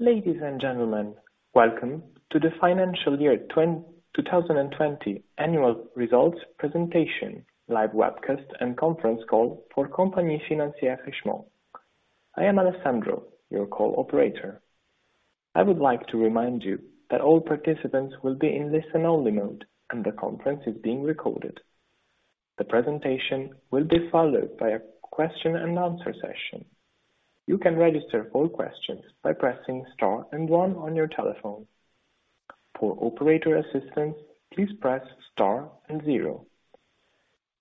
Ladies and gentlemen, welcome to the financial year 2020 annual results presentation, live webcast and conference call for Compagnie Financière Richemont. I am Alessandro, your call operator. I would like to remind you that all participants will be in listen-only mode and the conference is being recorded. The presentation will be followed by a question and answer session. You can register all questions by pressing star and one on your telephone. For operator assistance, please press star and zero.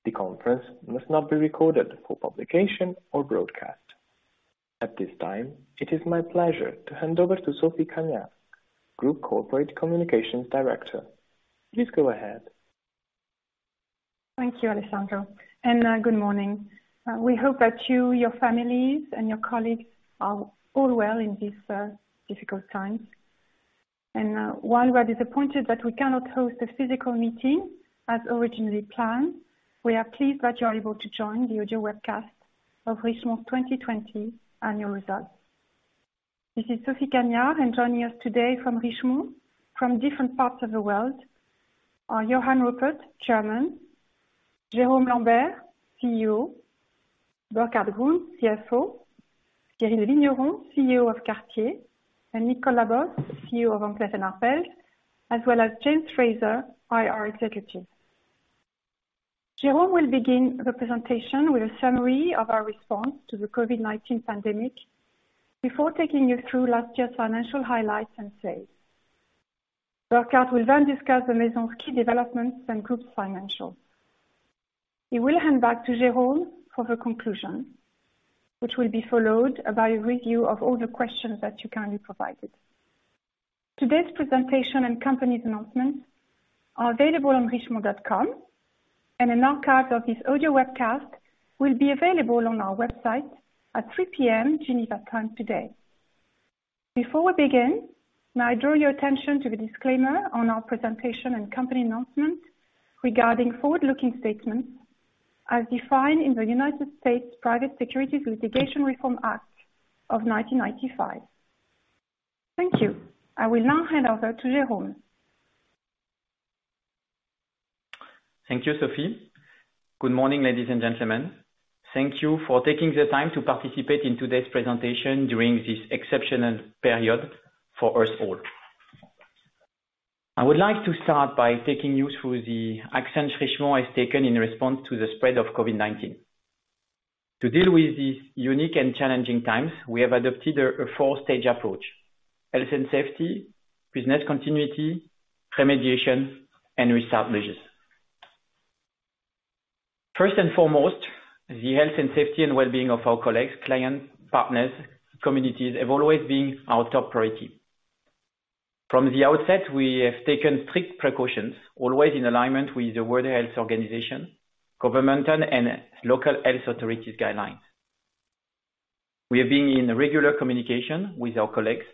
The conference must not be recorded for publication or broadcast. At this time, it is my pleasure to hand over to Sophie Cagnard, Group Corporate Communications Director. Please go ahead. Thank you, Alessandro, good morning. We hope that you, your families, and your colleagues are all well in these difficult times. While we're disappointed that we cannot host a physical meeting as originally planned, we are pleased that you are able to join the audio webcast of Richemont 2020 annual results. This is Sophie Cagnard, and joining us today from Richemont, from different parts of the world are Johann Rupert, Chairman, Jérôme Lambert, CEO, Burkhart Grund, CFO, Cyrille Vigneron, CEO of Cartier, and Nicolas Bos, CEO of Van Cleef & Arpels, as well as James Fraser, IR Executive. Jérôme will begin the presentation with a summary of our response to the COVID-19 pandemic before taking you through last year's financial highlights and plays. Burkhart will then discuss the Maison's key developments and group financials. He will hand back to Jérôme for the conclusion, which will be followed by a review of all the questions that you kindly provided. Today's presentation and company announcements are available on richemont.com, and an archive of this audio webcast will be available on our website at 3:00 P.M. Geneva time today. Before we begin, may I draw your attention to the disclaimer on our presentation and company announcements regarding forward-looking statements as defined in the United States Private Securities Litigation Reform Act of 1995. Thank you. I will now hand over to Jérôme. Thank you, Sophie. Good morning, ladies and gentlemen. Thank you for taking the time to participate in today's presentation during this exceptional period for us all. I would like to start by taking you through the actions Richemont has taken in response to the spread of COVID-19. To deal with these unique and challenging times, we have adopted a 4-stage approach: health and safety, business continuity, remediation, and restart measures. First and foremost, the health and safety and wellbeing of our colleagues, clients, partners, communities, have always been our top priority. From the outset, we have taken strict precautions, always in alignment with the World Health Organization, governmental, and local health authorities guidelines. We have been in regular communication with our colleagues,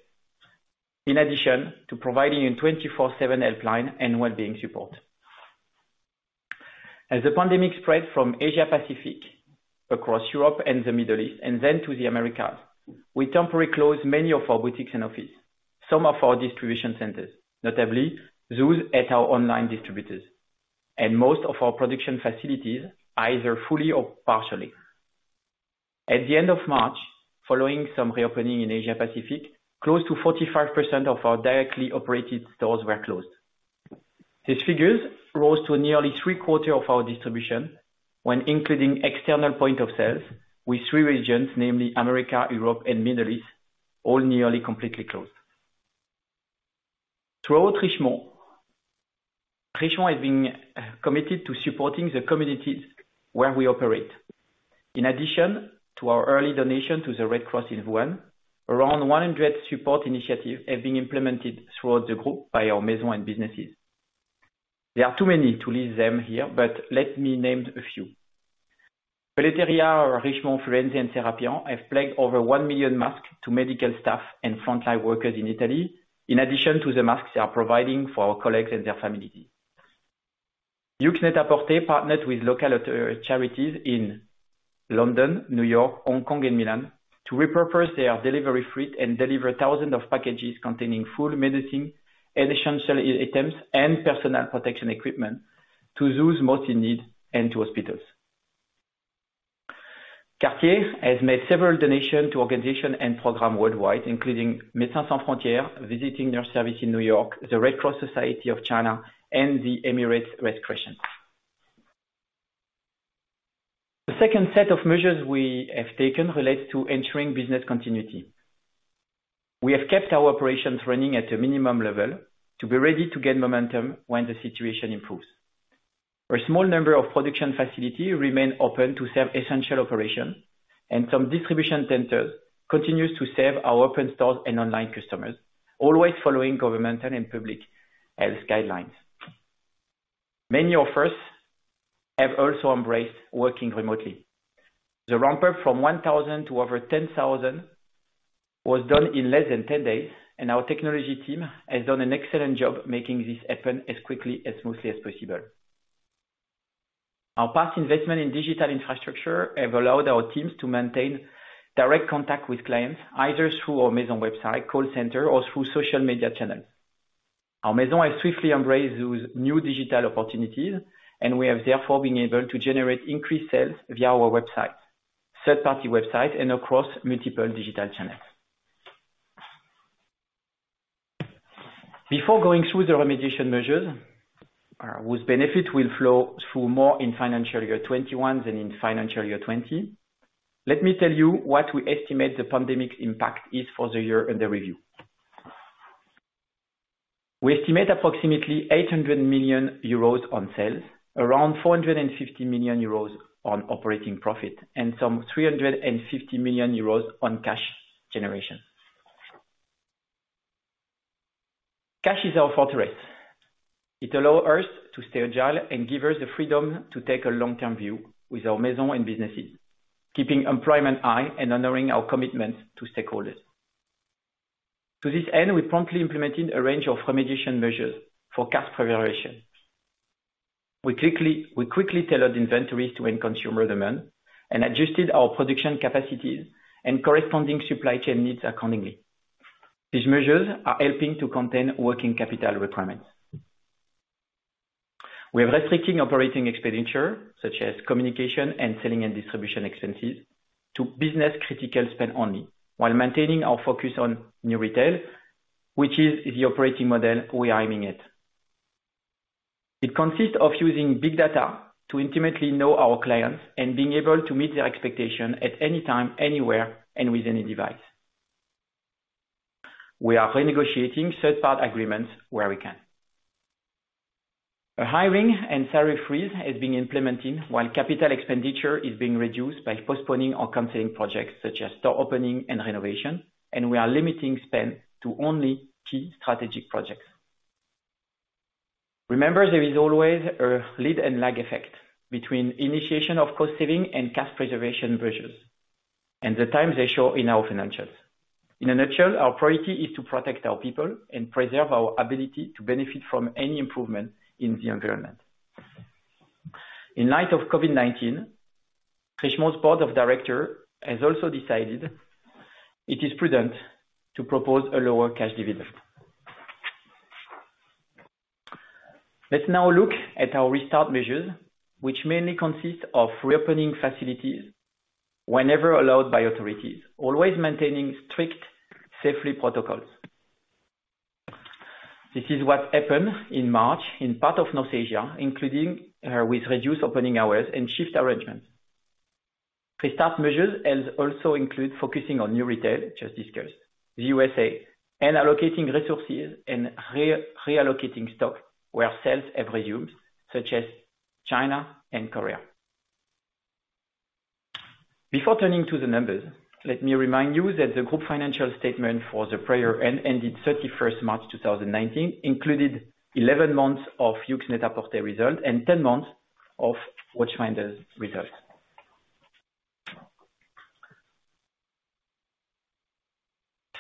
in addition to providing a 24/7 helpline and wellbeing support. As the pandemic spread from Asia Pacific across Europe and the Middle East and then to the Americas, we temporarily closed many of our boutiques and offices, some of our distribution centers, notably those at our online distributors, and most of our production facilities, either fully or partially. At the end of March, following some reopening in Asia Pacific, close to 45% of our directly operated stores were closed. These figures rose to nearly three-quarters of our distribution when including external point of sales with three regions, namely America, Europe, and Middle East, all nearly completely closed. Throughout Richemont has been committed to supporting the communities where we operate. In addition to our early donation to the Red Cross in Wuhan, around 100 support initiatives have been implemented throughout the group by our Maison and businesses. There are too many to list them here, but let me name a few. Pelletteria Richemont Firenze and Serapian have pledged over 1 million masks to medical staff and frontline workers in Italy, in addition to the masks they are providing for our colleagues and their families. YOOX NET-A-PORTER partnered with local charities in London, New York, Hong Kong, and Milan to repurpose their delivery fleet and deliver thousands of packages containing food, medicine, essential items, and personal protection equipment to those most in need and to hospitals. Cartier has made several donations to organizations and programs worldwide, including Médecins Sans Frontières visiting nurse service in New York, the Red Cross Society of China, and the Emirates Red Crescent. The second set of measures we have taken relates to ensuring business continuity. We have kept our operations running at a minimum level to be ready to gain momentum when the situation improves. A small number of production facilities remain open to serve essential operations, and some distribution centers continue to serve our open stores and online customers, always following governmental and public health guidelines. Many of us have also embraced working remotely. The ramp-up from 1,000 to over 10,000 was done in less than 10 days. Our technology team has done an excellent job making this happen as quickly and smoothly as possible. Our past investment in digital infrastructure have allowed our teams to maintain direct contact with clients, either through our Maison website, call center, or through social media channels. Our Maison has swiftly embraced those new digital opportunities. We have therefore been able to generate increased sales via our website, third-party website, and across multiple digital channels. Before going through the remediation measures, whose benefit will flow through more in financial year 2021 than in financial year 2020, let me tell you what we estimate the pandemic's impact is for the year end of review. We estimate approximately 800 million euros on sales, around 450 million euros on operating profit, and some 350 million euros on cash generation. Cash is our fortress. It allow us to stay agile and give us the freedom to take a long-term view with our Maison and businesses, keeping employment high and honoring our commitment to stakeholders. To this end, we promptly implemented a range of remediation measures for cash preservation. We quickly tailored inventories to end consumer demand and adjusted our production capacities and corresponding supply chain needs accordingly. These measures are helping to contain working capital requirements. We are restricting operating expenditure, such as communication and selling and distribution expenses, to business critical spend only, while maintaining our focus on New Retail, which is the operating model we are aiming at. It consists of using big data to intimately know our clients and being able to meet their expectation at any time, anywhere, and with any device. We are renegotiating third-party agreements where we can. A hiring and salary freeze is being implemented while capital expenditure is being reduced by postponing or canceling projects such as store opening and renovation, and we are limiting spend to only key strategic projects. Remember, there is always a lead and lag effect between initiation of cost saving and cash preservation measures, and the time they show in our financials. In a nutshell, our priority is to protect our people and preserve our ability to benefit from any improvement in the environment. In light of COVID-19, Richemont's board of directors has also decided it is prudent to propose a lower cash dividend. Let's now look at our restart measures, which mainly consist of reopening facilities whenever allowed by authorities, always maintaining strict safety protocols. This is what happened in March in part of North Asia, including with reduced opening hours and shift arrangements. Restart measures also include focusing on New Retail, just discussed. The U.S.A. and allocating resources and reallocating stock where sales have resumed, such as China and Korea. Before turning to the numbers, let me remind you that the group financial statement for the prior end, ended 31st March 2019, included 11 months of YOOX NET-A-PORTER result and 10 months of Watchfinder's results.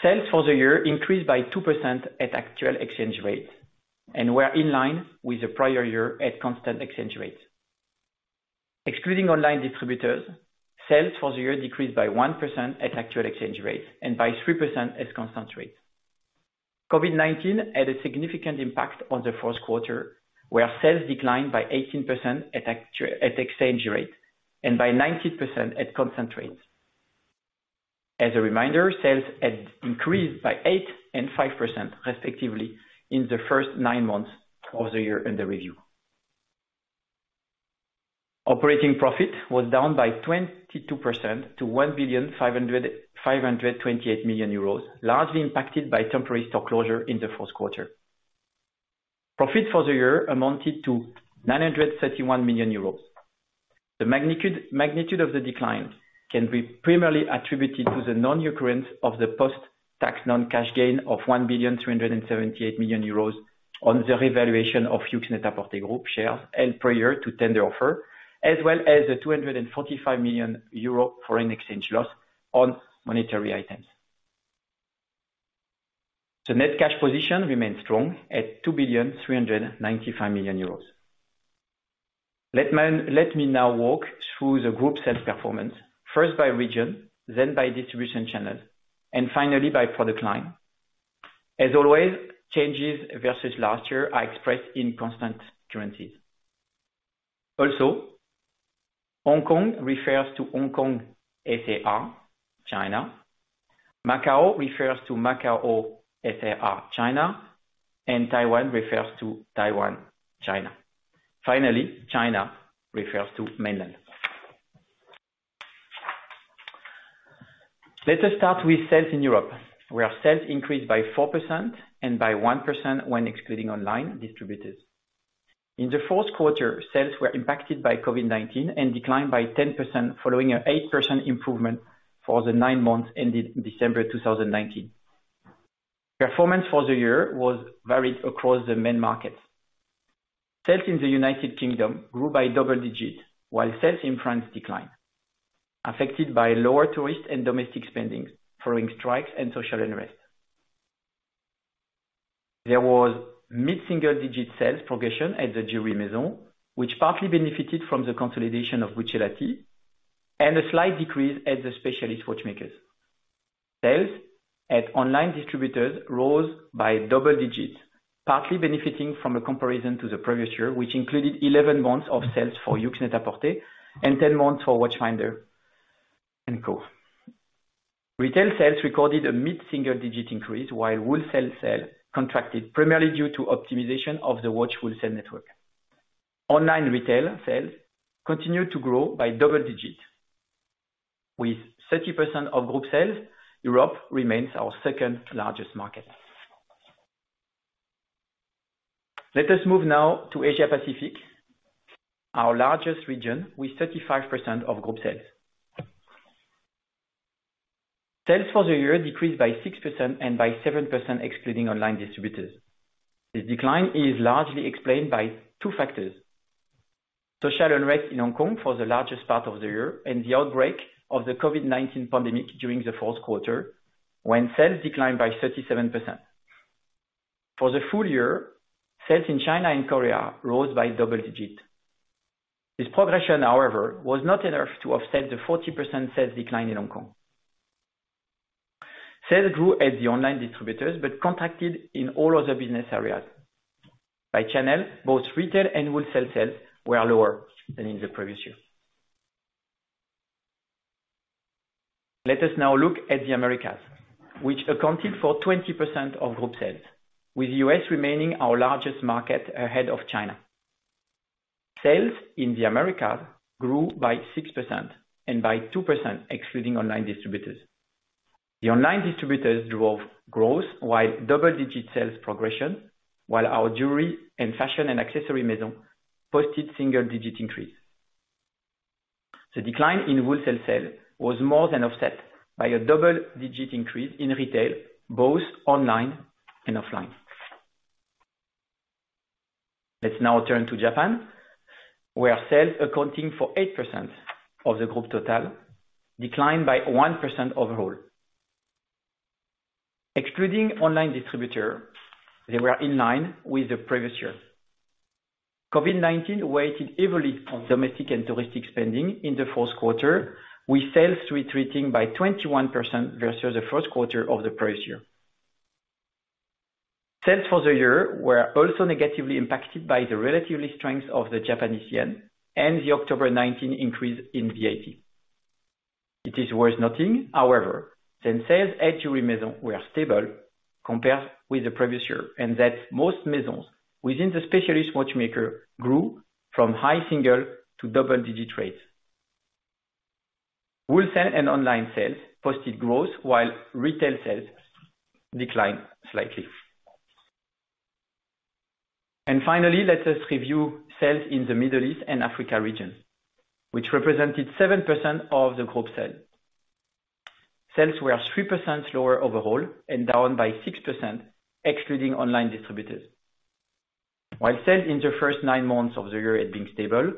Sales for the year increased by 2% at actual exchange rate and were in line with the prior year at constant exchange rate. Excluding online distributors, sales for the year decreased by 1% at actual exchange rate and by 3% at constant rate. COVID-19 had a significant impact on the fourth quarter, where sales declined by 18% at exchange rate and by 19% at constant rates. As a reminder, sales had increased by 8% and 5% respectively in the first nine months of the year under review. Operating profit was down by 22% to 1,528 million euros, largely impacted by temporary store closure in the fourth quarter. Profit for the year amounted to 931 million euros. The magnitude of the decline can be primarily attributed to the non-occurrence of the post-tax non-cash gain of 1.378 billion euros on the revaluation of YOOX NET-A-PORTER Group shares and prior to tender offer, as well as a 245 million euro foreign exchange loss on monetary items. The net cash position remains strong at 2.395 billion. Let me now walk through the group sales performance, first by region, then by distribution channels, and finally by product line. As always, changes versus last year are expressed in constant currencies. Also, Hong Kong refers to Hong Kong S.A.R., China. Macau refers to Macau S.A.R., China, and Taiwan refers to Taiwan, China. Finally, China refers to mainland. Let us start with sales in Europe, where our sales increased by 4% and by 1% when excluding online distributors. In the fourth quarter, sales were impacted by COVID-19 and declined by 10%, following an 8% improvement for the nine months ended December 2019. Performance for the year was varied across the main markets. Sales in the U.K. grew by double digits, while sales in France declined, affected by lower tourist and domestic spendings following strikes and social unrest. There was mid-single-digit sales progression at the Jewelry Maison, which partly benefited from the consolidation of Buccellati, and a slight decrease at the Specialist Watchmakers. Sales at online distributors rose by double digits, partly benefiting from a comparison to the previous year, which included 11 months of sales for YOOX NET-A-PORTER and 10 months for Watchfinder & Co. Retail sales recorded a mid-single-digit increase while wholesale sales contracted, primarily due to optimization of the watch wholesale network. Online retail sales continued to grow by double digits. With 30% of group sales, Europe remains our second-largest market. Let us move now to Asia Pacific, our largest region with 35% of group sales. Sales for the year decreased by 6% and by 7%, excluding online distributors. This decline is largely explained by two factors: social unrest in Hong Kong for the largest part of the year and the outbreak of the COVID-19 pandemic during the fourth quarter, when sales declined by 37%. For the full year, sales in China and Korea rose by double digits. This progression, however, was not enough to offset the 40% sales decline in Hong Kong. Sales grew at the online distributors but contracted in all other business areas. By channel, both retail and wholesale sales were lower than in the previous year. Let us now look at the Americas, which accounted for 20% of group sales, with U.S. remaining our largest market ahead of China. Sales in the Americas grew by 6% and by 2%, excluding online distributors. The online distributors drove growth while double-digit sales progression, while our jewelry and Fashion & Accessories Maison posted single-digit increase. The decline in wholesale sales was more than offset by a double-digit increase in retail, both online and offline. Let's now turn to Japan, where sales accounting for 8% of the group total declined by 1% overall. Excluding online distributor, they were in line with the previous year. COVID-19 weighted heavily on domestic and touristic spending in the fourth quarter, with sales retreating by 21% versus the first quarter of the previous year. Sales for the year were also negatively impacted by the relative strength of the Japanese yen and the October 19 increase in VAT. It is worth noting, however, that sales at Jewelry Maison were stable compared with the previous year, and that most Maisons within the Specialist Watchmaker grew from high single to double-digit rates. Wholesale and online sales posted growth while retail sales declined slightly. Finally, let us review sales in the Middle East and Africa region, which represented 7% of the group sale. Sales were 3% lower overall and down by 6%, excluding online distributors. While sales in the first nine months of the year had been stable,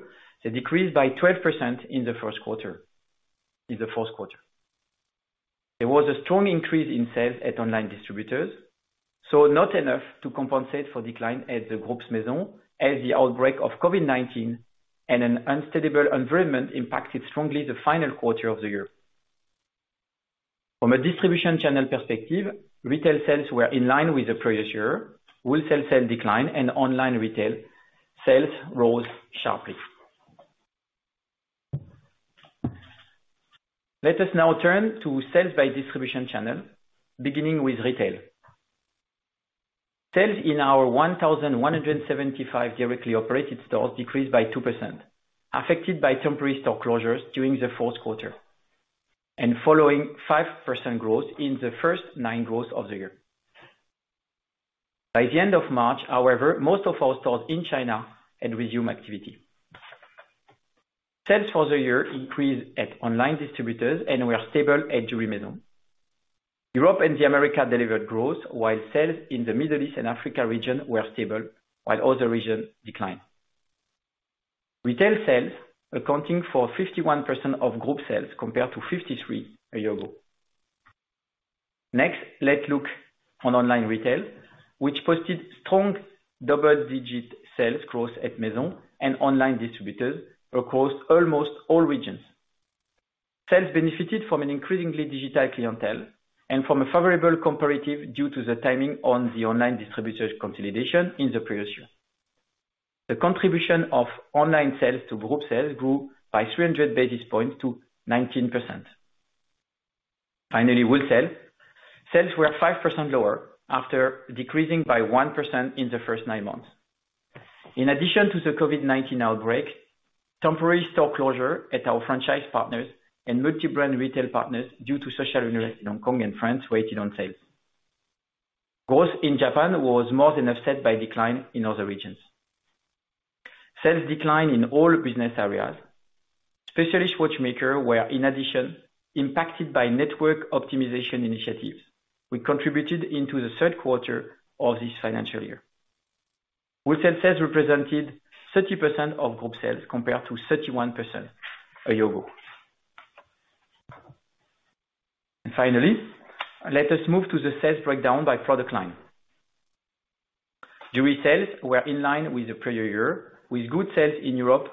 they decreased by 12% in the fourth quarter. There was a strong increase in sales at online distributors, not enough to compensate for decline at the group's Maison as the outbreak of COVID-19 and an unstable environment impacted strongly the final quarter of the year. From a distribution channel perspective, retail sales were in line with the previous year. Wholesale sales declined and online retail sales rose sharply. Let us now turn to sales by distribution channel, beginning with retail. Sales in our 1,175 directly operated stores decreased by 2%, affected by temporary store closures during the fourth quarter and following 5% growth in the first nine growths of the year. By the end of March, however, most of our stores in China had resumed activity. Sales for the year increased at online distributors and were stable at Jewelry Maison. Europe and the Americas delivered growth, while sales in the Middle East and Africa region were stable, while other regions declined. Retail sales accounting for 51% of group sales compared to 53% a year ago. Next, let's look on online retail, which posted strong double-digit sales growth at Maison and online distributors across almost all regions. Sales benefited from an increasingly digital clientele and from a favorable comparative due to the timing on the online distributors consolidation in the previous year. The contribution of online sales to group sales grew by 300 basis points to 19%. Finally, wholesale. Sales were 5% lower after decreasing by 1% in the first nine months. In addition to the COVID-19 outbreak, temporary store closure at our franchise partners and multi-brand retail partners due to social unrest in Hong Kong and France weighted on sales. Growth in Japan was more than offset by decline in other regions. Sales declined in all business areas. Specialist Watchmakers were, in addition, impacted by network optimization initiatives, which contributed into the third quarter of this financial year. Wholesale sales represented 30% of group sales compared to 31% a year ago. Let us move to the sales breakdown by product line. Jewelry sales were in line with the prior year, with good sales in Europe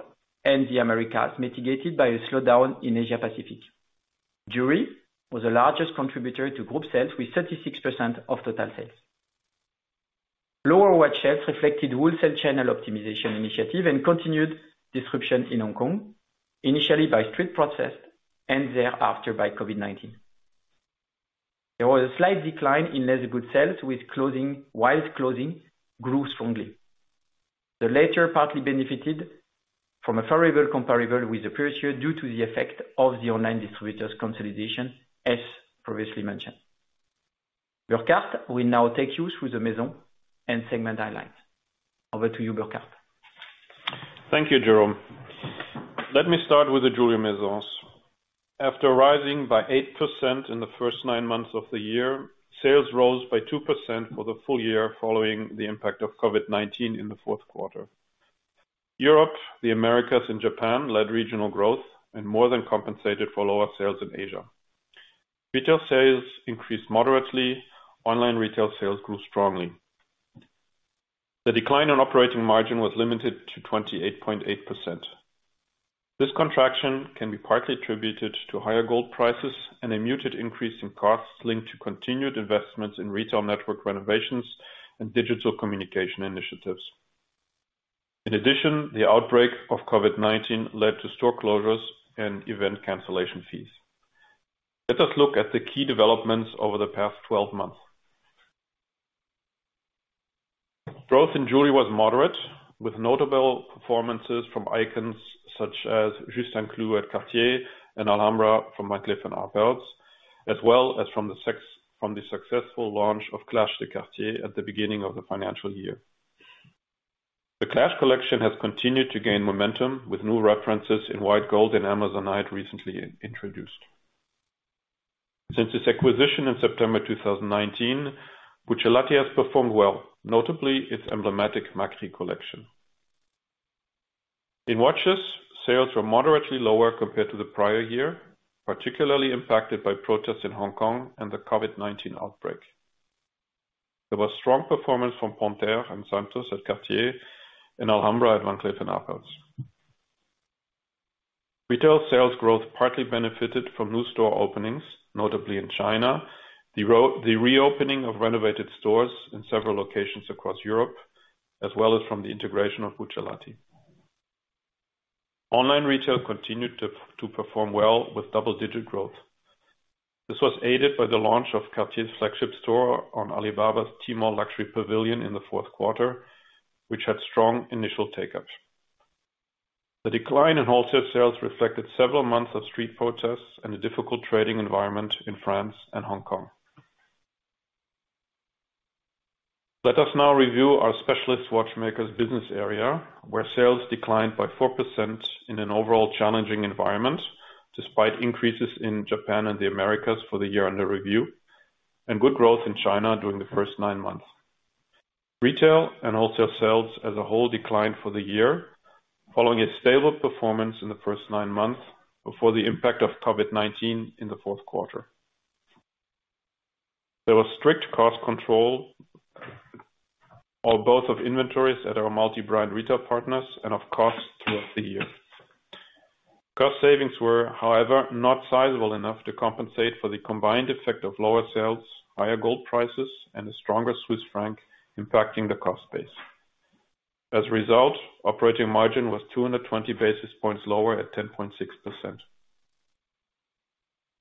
and the Americas, mitigated by a slowdown in Asia Pacific. Jewelry was the largest contributor to group sales, with 36% of total sales. Lower watch sales reflected wholesale channel optimization initiative and continued disruption in Hong Kong, initially by street protests and thereafter by COVID-19. There was a slight decline in leather good sales while Chloé grew strongly. The latter partly benefited from a favorable comparable with the prior year due to the effect of the online distributor's consolidation, as previously mentioned. Burkhart will now take you through the Maison and segment highlights. Over to you, Burkhart. Thank you, Jérôme. Let me start with the jewelry Maisons. After rising by 8% in the first nine months of the year, sales rose by 2% for the full year following the impact of COVID-19 in the fourth quarter. Europe, the Americas, and Japan led regional growth and more than compensated for lower sales in Asia. Retail sales increased moderately. Online retail sales grew strongly. The decline in operating margin was limited to 28.8%. This contraction can be partly attributed to higher gold prices and a muted increase in costs linked to continued investments in retail network renovations and digital communication initiatives. In addition, the outbreak of COVID-19 led to store closures and event cancellation fees. Let us look at the key developments over the past 12 months. Growth in jewelry was moderate, with notable performances from icons such as Juste un Clou at Cartier and Alhambra from Van Cleef & Arpels, as well as from the successful launch of Clash de Cartier at the beginning of the financial year. The Clash collection has continued to gain momentum with new references in white gold and amazonite recently introduced. Since its acquisition in September 2019, Buccellati has performed well, notably its emblematic Macri collection. In watches, sales were moderately lower compared to the prior year, particularly impacted by protests in Hong Kong and the COVID-19 outbreak. There was strong performance from Panthère and Santos at Cartier and Alhambra at Van Cleef & Arpels. Retail sales growth partly benefited from new store openings, notably in China, the reopening of renovated stores in several locations across Europe, as well as from the integration of Buccellati. Online retail continued to perform well with double-digit growth. This was aided by the launch of Cartier's flagship store on Alibaba's Tmall Luxury Pavilion in the fourth quarter, which had strong initial take-up. The decline in wholesale sales reflected several months of street protests and a difficult trading environment in France and Hong Kong. Let us now review our specialist watchmakers business area, where sales declined by 4% in an overall challenging environment, despite increases in Japan and the Americas for the year under review and good growth in China during the first nine months. Retail and wholesale sales as a whole declined for the year, following its stable performance in the first nine months before the impact of COVID-19 in the fourth quarter. There was strict cost control of both inventories at our multi-brand retail partners and of costs throughout the year. Cost savings were, however, not sizable enough to compensate for the combined effect of lower sales, higher gold prices, and a stronger Swiss franc impacting the cost base. As a result, operating margin was 220 basis points lower at 10.6%.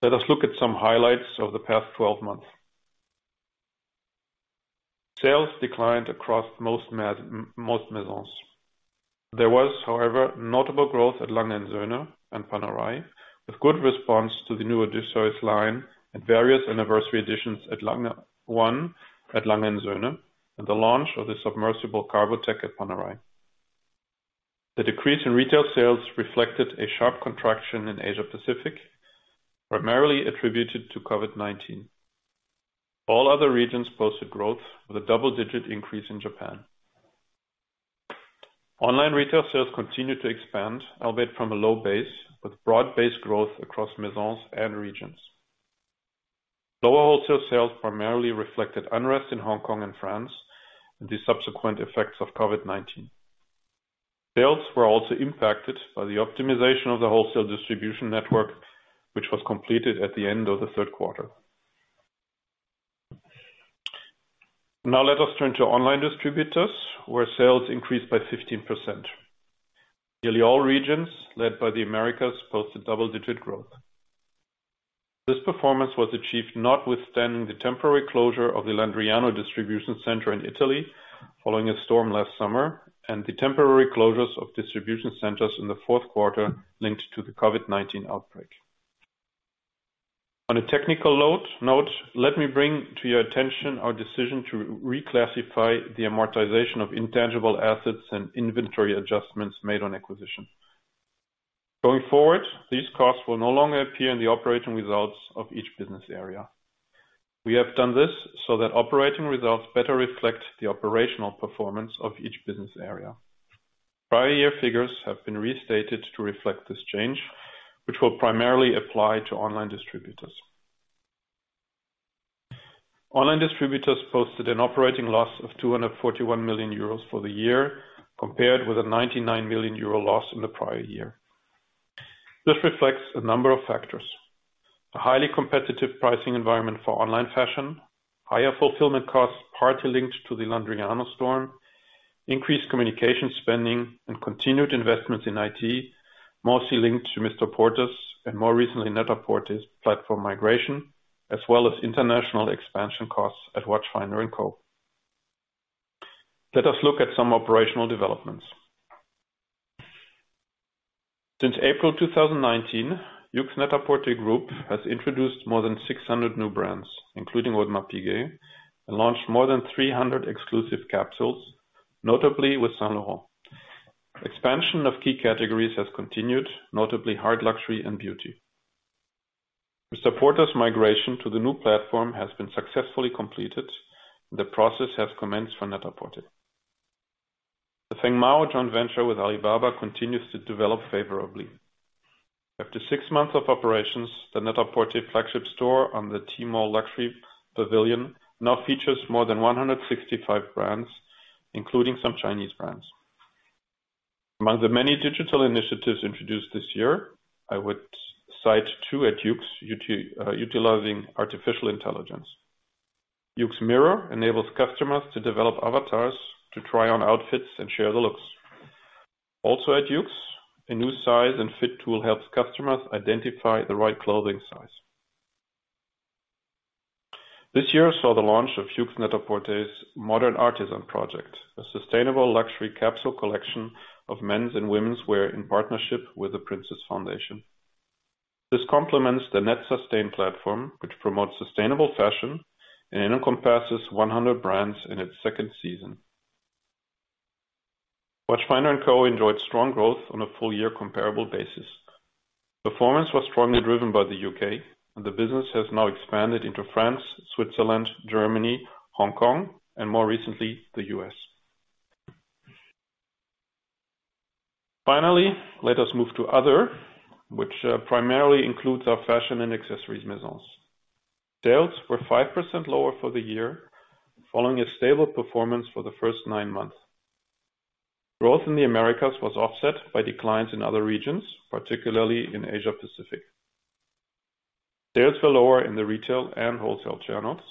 Let us look at some highlights of the past 12 months. Sales declined across most Maisons. There was, however, notable growth at A. Lange & Söhne and Panerai, with good response to the new Odysseus line and various anniversary editions at A. Lange & Söhne, and the launch of the Submersible Carbotech at Panerai. The decrease in retail sales reflected a sharp contraction in Asia Pacific, primarily attributed to COVID-19. All other regions posted growth with a double-digit increase in Japan. Online retail sales continued to expand, albeit from a low base, with broad-based growth across Maisons and regions. Lower wholesale sales primarily reflected unrest in Hong Kong and France, and the subsequent effects of COVID-19. Sales were also impacted by the optimization of the wholesale distribution network, which was completed at the end of the third quarter. Now let us turn to online distributors, where sales increased by 15%. Nearly all regions, led by the Americas, posted double-digit growth. This performance was achieved notwithstanding the temporary closure of the Landriano distribution center in Italy following a storm last summer, and the temporary closures of distribution centers in the fourth quarter linked to the COVID-19 outbreak. On a technical note, let me bring to your attention our decision to reclassify the amortization of intangible assets and inventory adjustments made on acquisition. Going forward, these costs will no longer appear in the operating results of each business area. We have done this so that operating results better reflect the operational performance of each business area. Prior year figures have been restated to reflect this change, which will primarily apply to online distributors. Online distributors posted an operating loss of 241 million euros for the year, compared with a 99 million euro loss in the prior year. This reflects a number of factors. A highly competitive pricing environment for online fashion, higher fulfillment costs partly linked to the Landriano storm, increased communication spending and continued investments in IT, mostly linked to MR PORTER's, and more recently, NET-A-PORTER's platform migration, as well as international expansion costs at Watchfinder & Co. Let us look at some operational developments. Since April 2019, YOOX NET-A-PORTERr Group has introduced more than 600 new brands, including Audemars Piguet, and launched more than 300 exclusive capsules, notably with Saint Laurent. Expansion of key categories has continued, notably hard luxury and beauty. MR PORTER's migration to the new platform has been successfully completed. The process has commenced for NET-A-PORTER. The Fengmao joint venture with Alibaba continues to develop favorably. After six months of operations, the NET-A-PORTER flagship store on the Tmall Luxury Pavilion now features more than 165 brands, including some Chinese brands. Among the many digital initiatives introduced this year, I would cite two at Yoox, utilizing artificial intelligence. YooxMirror enables customers to develop avatars to try on outfits and share the looks. Also at Yoox, a new size and fit tool helps customers identify the right clothing size. This year saw the launch of YOOX NET-A-PORTER's Modern Artisan project, a sustainable luxury capsule collection of men's and women's wear in partnership with The Prince's Foundation. This complements the Net Sustain platform, which promotes sustainable fashion and encompasses 100 brands in its second season. Watchfinder & Co. enjoyed strong growth on a full year comparable basis. Performance was strongly driven by the U.K., and the business has now expanded into France, Switzerland, Germany, Hong Kong, and more recently, the U.S. Finally, let us move to other, which primarily includes our fashion and accessories Maisons. Sales were 5% lower for the year following a stable performance for the first nine months. Growth in the Americas was offset by declines in other regions, particularly in Asia Pacific. Sales were lower in the retail and wholesale channels,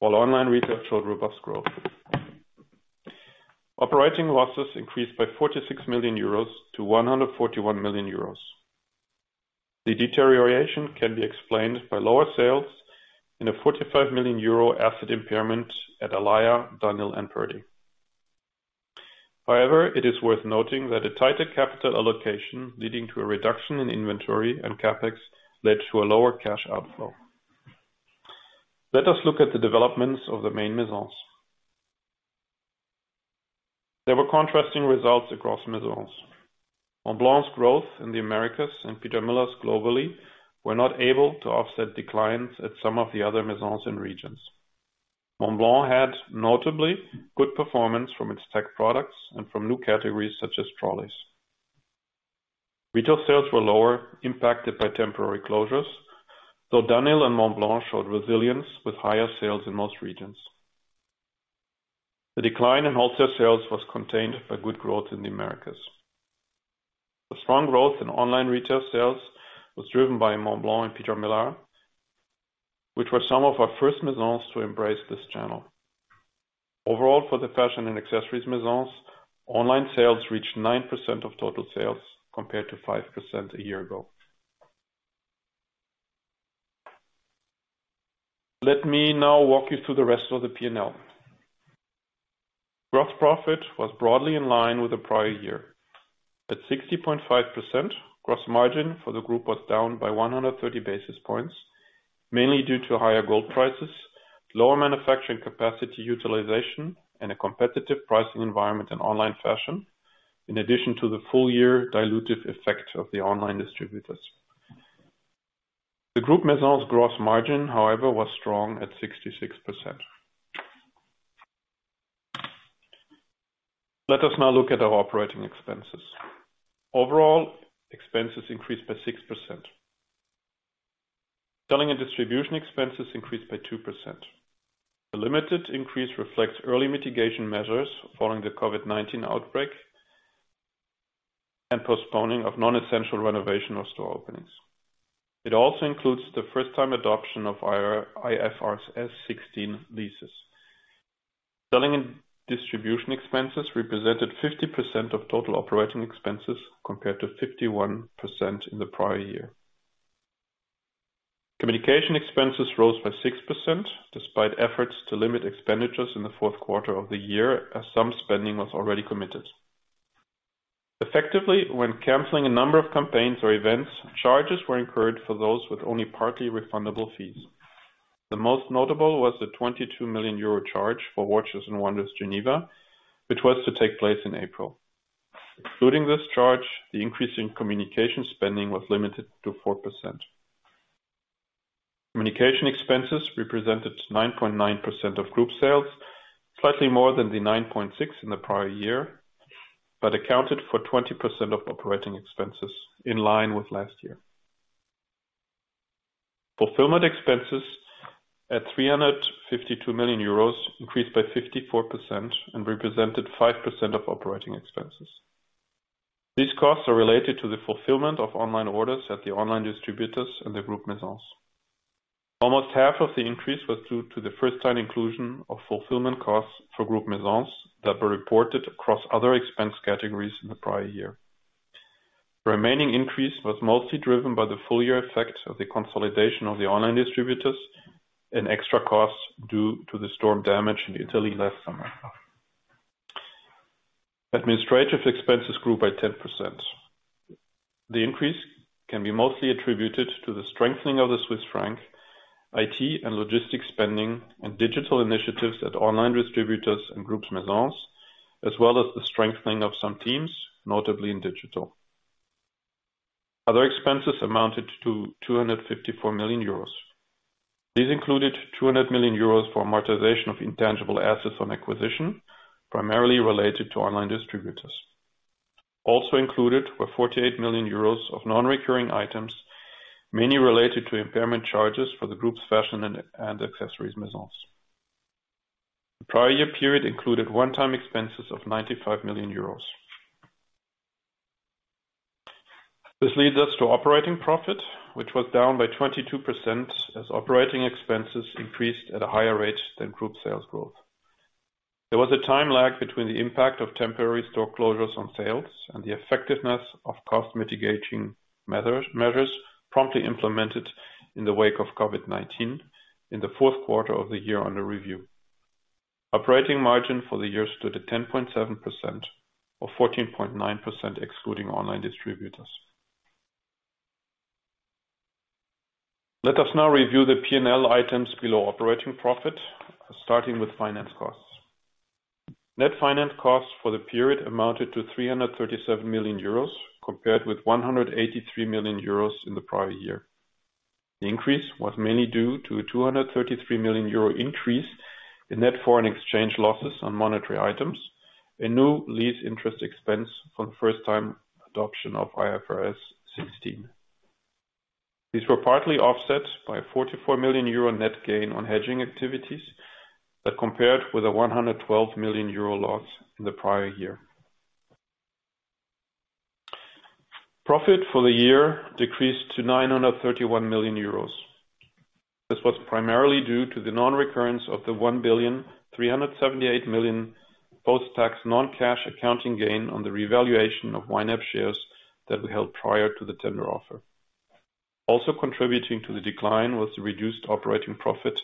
while online retail showed robust growth. Operating losses increased by 46 million euros to 141 million euros. The deterioration can be explained by lower sales and a 45 million euro asset impairment at Alaïa, dunhill, and Purdey. It is worth noting that a tighter capital allocation leading to a reduction in inventory and CapEx led to a lower cash outflow. Let us look at the developments of the main Maisons. There were contrasting results across Maisons. Montblanc's growth in the Americas and Peter Millar's globally were not able to offset declines at some of the other Maisons and regions. Montblanc had notably good performance from its tech products and from new categories such as trolleys. Retail sales were lower, impacted by temporary closures, though dunhill and Montblanc showed resilience with higher sales in most regions. The decline in wholesale sales was contained by good growth in the Americas. The strong growth in online retail sales was driven by Montblanc and Peter Millar, which were some of our first Maisons to embrace this channel. Overall, for the Fashion & Accessories Maisons, online sales reached 9% of total sales, compared to 5% a year ago. Let me now walk you through the rest of the P&L. Gross profit was broadly in line with the prior year. At 60.5%, gross margin for the group was down by 130 basis points, mainly due to higher gold prices, lower manufacturing capacity utilization, and a competitive pricing environment in online fashion, in addition to the full year dilutive effect of the online distributors. The group Maisons' gross margin, however, was strong at 66%. Let us now look at our operating expenses. Overall, expenses increased by 6%. Selling and distribution expenses increased by 2%. The limited increase reflects early mitigation measures following the COVID-19 outbreak and postponing of non-essential renovation or store openings. It also includes the first time adoption of IFRS 16 leases. Selling and distribution expenses represented 50% of total operating expenses, compared to 51% in the prior year. Communication expenses rose by 6%, despite efforts to limit expenditures in the fourth quarter of the year, as some spending was already committed. Effectively, when canceling a number of campaigns or events, charges were incurred for those with only partly refundable fees. The most notable was the 22 million euro charge for Watches and Wonders Geneva, which was to take place in April. Excluding this charge, the increase in communication spending was limited to 4%. Communication expenses represented 9.9% of group sales, slightly more than the 9.6% in the prior year, but accounted for 20% of operating expenses, in line with last year. Fulfillment expenses at 352 million euros increased by 54% and represented 5% of operating expenses. These costs are related to the fulfillment of online orders at the online distributors and the Group Maisons. Almost half of the increase was due to the first-time inclusion of fulfillment costs for Group Maisons that were reported across other expense categories in the prior year. Remaining increase was mostly driven by the full year effect of the consolidation of the online distributors and extra costs due to the storm damage in Italy last summer. Administrative expenses grew by 10%. The increase can be mostly attributed to the strengthening of the Swiss franc, IT and logistics spending, and digital initiatives at online distributors and Group Maisons, as well as the strengthening of some teams, notably in digital. Other expenses amounted to 254 million euros. These included 200 million euros for amortization of intangible assets on acquisition, primarily related to online distributors. Also included were 48 million euros of non-recurring items, mainly related to impairment charges for the group's Fashion & Accessories Maisons. The prior year period included one-time expenses of 95 million euros. This leads us to operating profit, which was down by 22% as operating expenses increased at a higher rate than group sales growth. There was a time lag between the impact of temporary store closures on sales and the effectiveness of cost-mitigating measures promptly implemented in the wake of COVID-19 in the fourth quarter of the year under review. Operating margin for the year stood at 10.7%, or 14.9% excluding online distributors. Let us now review the P&L items below operating profit, starting with finance costs. Net finance costs for the period amounted to 337 million euros, compared with 183 million euros in the prior year. The increase was mainly due to a 233 million euro increase in net foreign exchange losses on monetary items and new lease interest expense for the first-time adoption of IFRS 16. These were partly offset by a 44 million euro net gain on hedging activities that compared with a 112 million euro loss in the prior year. Profit for the year decreased to 931 million euros. This was primarily due to the non-recurrence of the 1,378 million post-tax non-cash accounting gain on the revaluation of YNAP shares that we held prior to the tender offer. Contributing to the decline was the reduced operating profit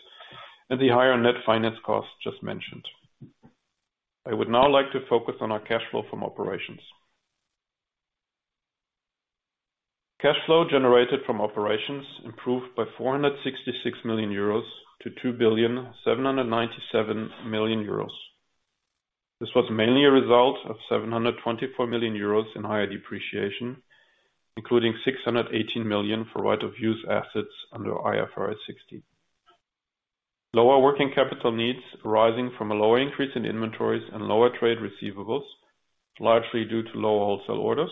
and the higher net finance cost just mentioned. I would now like to focus on our cash flow from operations. Cash flow generated from operations improved by 466 million euros to 2,797,000,000 euros. This was mainly a result of 724 million euros in higher depreciation, including 618 million for right-of-use assets under IFRS 16. Lower working capital needs arising from a lower increase in inventories and lower trade receivables, largely due to lower wholesale orders,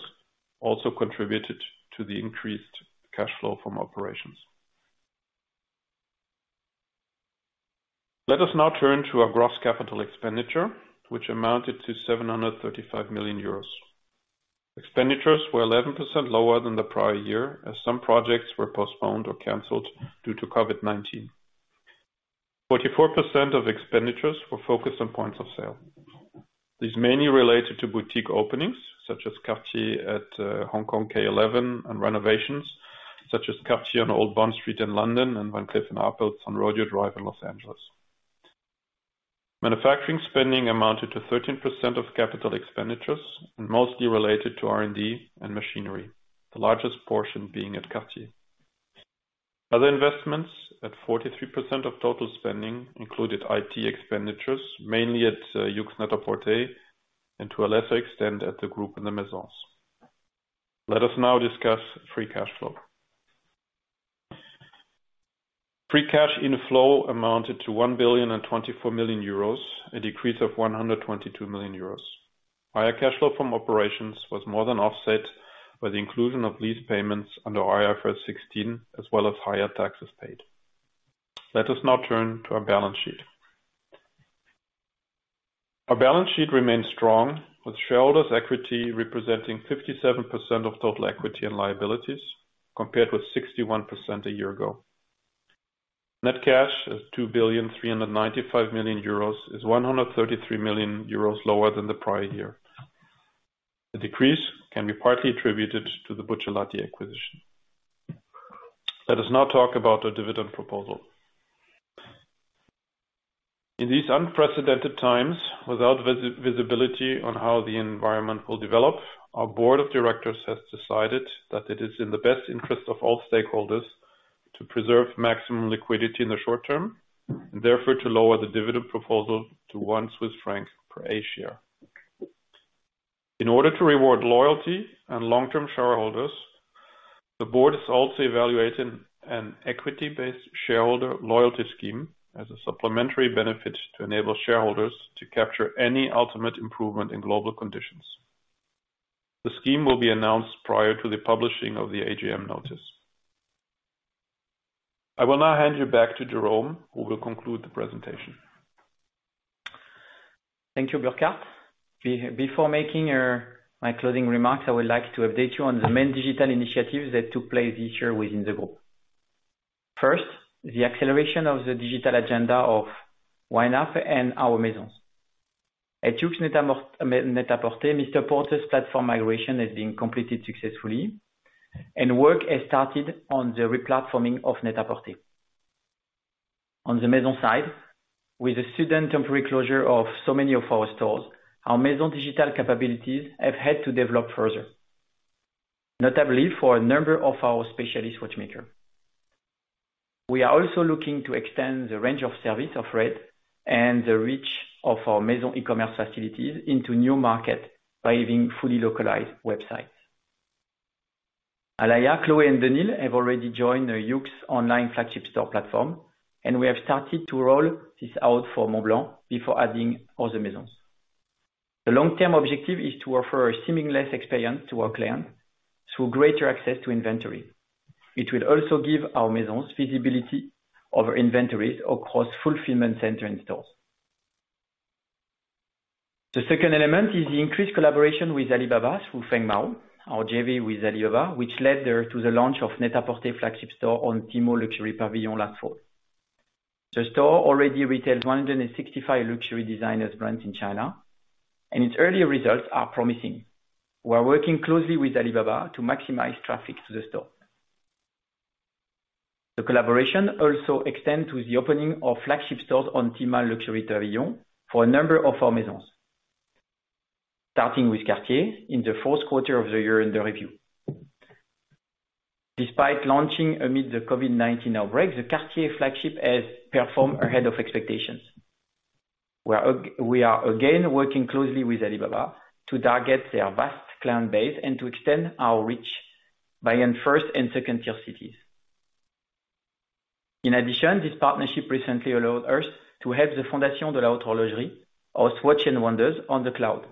also contributed to the increased cash flow from operations. Let us now turn to our gross capital expenditure, which amounted to 735 million euros. Expenditures were 11% lower than the prior year, as some projects were postponed or canceled due to COVID-19. 44% of expenditures were focused on points of sale. These mainly related to boutique openings, such as Cartier at Hong Kong K11, and renovations, such as Cartier on Old Bond Street in London and Van Cleef & Arpels on Rodeo Drive in Los Angeles. Manufacturing spending amounted to 13% of capital expenditures, and mostly related to R&D and machinery, the largest portion being at Cartier. Other investments at 43% of total spending included IT expenditures, mainly at YOOX NET-A-PORTER, and to a lesser extent, at the group and the Maisons. Let us now discuss free cash flow. Free cash inflow amounted to 1,024,000,000 euros, a decrease of 122 million euros. Higher cash flow from operations was more than offset by the inclusion of lease payments under IFRS 16, as well as higher taxes paid. Let us now turn to our balance sheet. Our balance sheet remains strong, with shareholders' equity representing 57% of total equity and liabilities, compared with 61% a year ago. Net cash is 2,395,000,000 euros, 133 million euros lower than the prior year. The decrease can be partly attributed to the Buccellati acquisition. Let us now talk about our dividend proposal. In these unprecedented times, without visibility on how the environment will develop, our board of directors has decided that it is in the best interest of all stakeholders to preserve maximum liquidity in the short term, and therefore to lower the dividend proposal to 1 Swiss franc per share. In order to reward loyalty and long-term shareholders, the board is also evaluating an equity-based shareholder loyalty scheme as a supplementary benefit to enable shareholders to capture any ultimate improvement in global conditions. The scheme will be announced prior to the publishing of the AGM notice. I will now hand you back to Jérôme, who will conclude the presentation. Thank you, Burkhart. Before making my closing remarks, I would like to update you on the main digital initiatives that took place this year within the group. First, the acceleration of the digital agenda of YNAP and our Maisons. At YOOX NET-A-PORTER, MR PORTER's platform migration has been completed successfully, and work has started on the re-platforming of NET-A-PORTER. On the Maison side, with the sudden temporary closure of so many of our stores, our Maison digital capabilities have had to develop further. Notably for a number of our specialist watchmakers. We are also looking to extend the range of service offered and the reach of our Maison e-commerce facilities into new markets by having fully localized websites. Alaïa, Chloé, and dunhill have already joined the Yoox online flagship store platform, and we have started to roll this out for Montblanc before adding other Maisons. The long-term objective is to offer a seamless experience to our clients through greater access to inventory. It will also give our Maisons visibility over inventories across fulfillment center and stores. The second element is the increased collaboration with Alibaba through Fengmao, our JV with Alibaba, which led there to the launch of NET-A-PORTER flagship store on Tmall Luxury Pavilion last fall. The store already retails 165 luxury designers brands in China, and its early results are promising. We are working closely with Alibaba to maximize traffic to the store. The collaboration also extends to the opening of flagship stores on Tmall Luxury Pavilion for a number of our Maisons, starting with Cartier in the fourth quarter of the year under review. Despite launching amid the COVID-19 outbreak, the Cartier flagship has performed ahead of expectations. We are again working closely with Alibaba to target their vast client base and to extend our reach beyond 1st and 2nd-tier cities. This partnership recently allowed us to have the Fondation de la Haute Horlogerie, our Watches and Wonders on the cloud,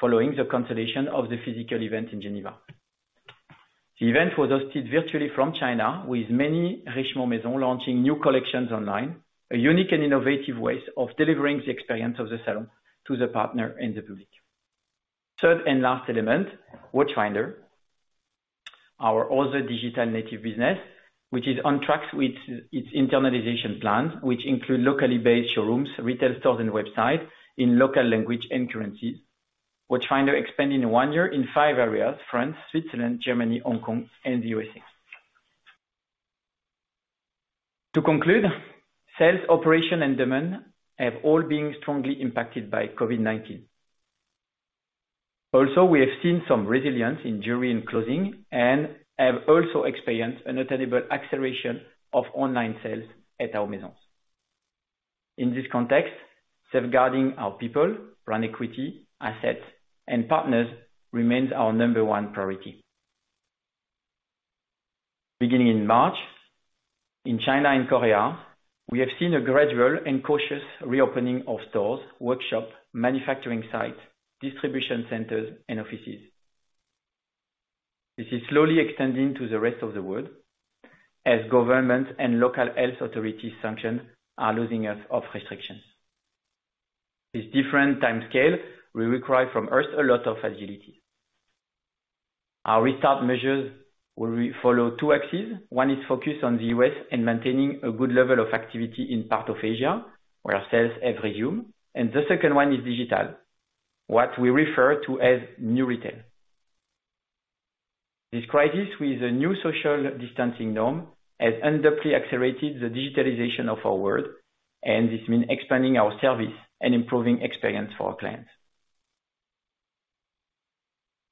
following the consolidation of the physical event in Geneva. The event was hosted virtually from China, with many Richemont Maison launching new collections online, a unique and innovative way of delivering the experience of the Salon to the partner and the public. Third and last element, Watchfinder, our other digital native business, which is on track with its internalization plans, which include locally based showrooms, retail stores, and websites in local language and currencies. Watchfinder expanded in one year in five areas, France, Switzerland, Germany, Hong Kong, and the U.S.A. To conclude, sales, operation, and demand have all been strongly impacted by COVID-19. We have seen some resilience in jewelry and clothing and have also experienced a notable acceleration of online sales at our Maisons. In this context, safeguarding our people, brand equity, assets, and partners remains our number one priority. Beginning in March, in China and Korea, we have seen a gradual and cautious reopening of stores, workshops, manufacturing sites, distribution centers, and offices. This is slowly extending to the rest of the world as government and local health authorities sanctions are lifting off restrictions. These different timescales will require from us a lot of agility. Our restart measures will follow two axes. One is focused on the U.S. and maintaining a good level of activity in part of Asia, where sales have resumed, and the second one is digital, what we refer to as New Retail. This crisis with the new social distancing norm has undoubtedly accelerated the digitalization of our world, this means expanding our service and improving experience for our clients.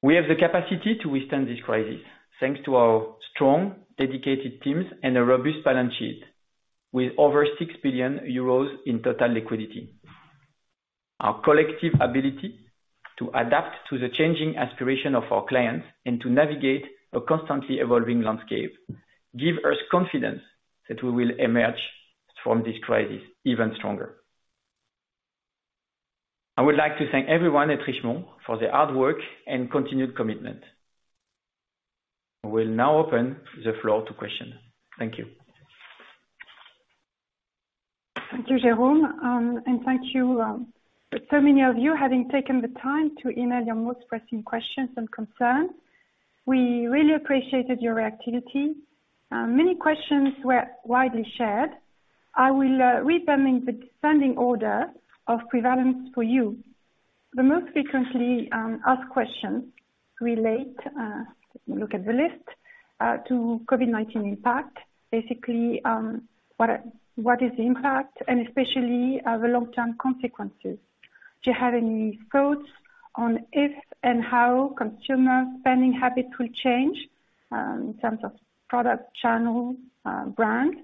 We have the capacity to withstand this crisis, thanks to our strong, dedicated teams and a robust balance sheet, with over 6 billion euros in total liquidity. Our collective ability to adapt to the changing aspiration of our clients and to navigate a constantly evolving landscape gives us confidence that we will emerge from this crisis even stronger. I would like to thank everyone at Richemont for their hard work and continued commitment. We will now open the floor to questions. Thank you. Thank you, Jérôme. Thank you so many of you having taken the time to email your most pressing questions and concerns. We really appreciated your activity. Many questions were widely shared. I will read them in descending order of prevalence for you. The most frequently asked questions relate, look at the list, to COVID-19 impact. Basically, what is the impact and especially the long-term consequences? Do you have any thoughts on if and how consumer spending habits will change in terms of product, channel, brand?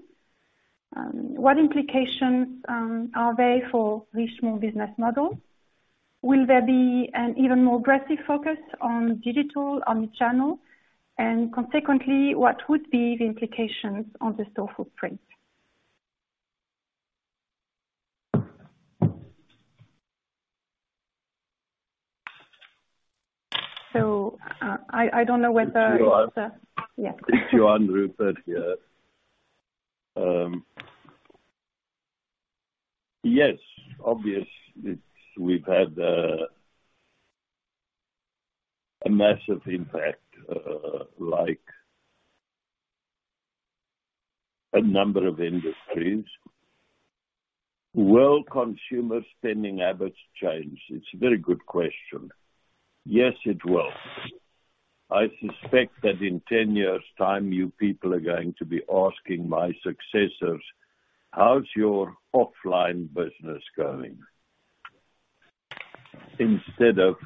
What implications are there for Richemont business model? Will there be an even more aggressive focus on digital, on the channel? Consequently, what would be the implications on the store footprint? It's Johann Rupert here. Yes. Obviously, we've had a massive impact like a number of industries. Will consumer spending habits change? It's a very good question. Yes, it will. I suspect that in 10 years' time, you people are going to be asking my successors, "How's your offline business going?" Instead of,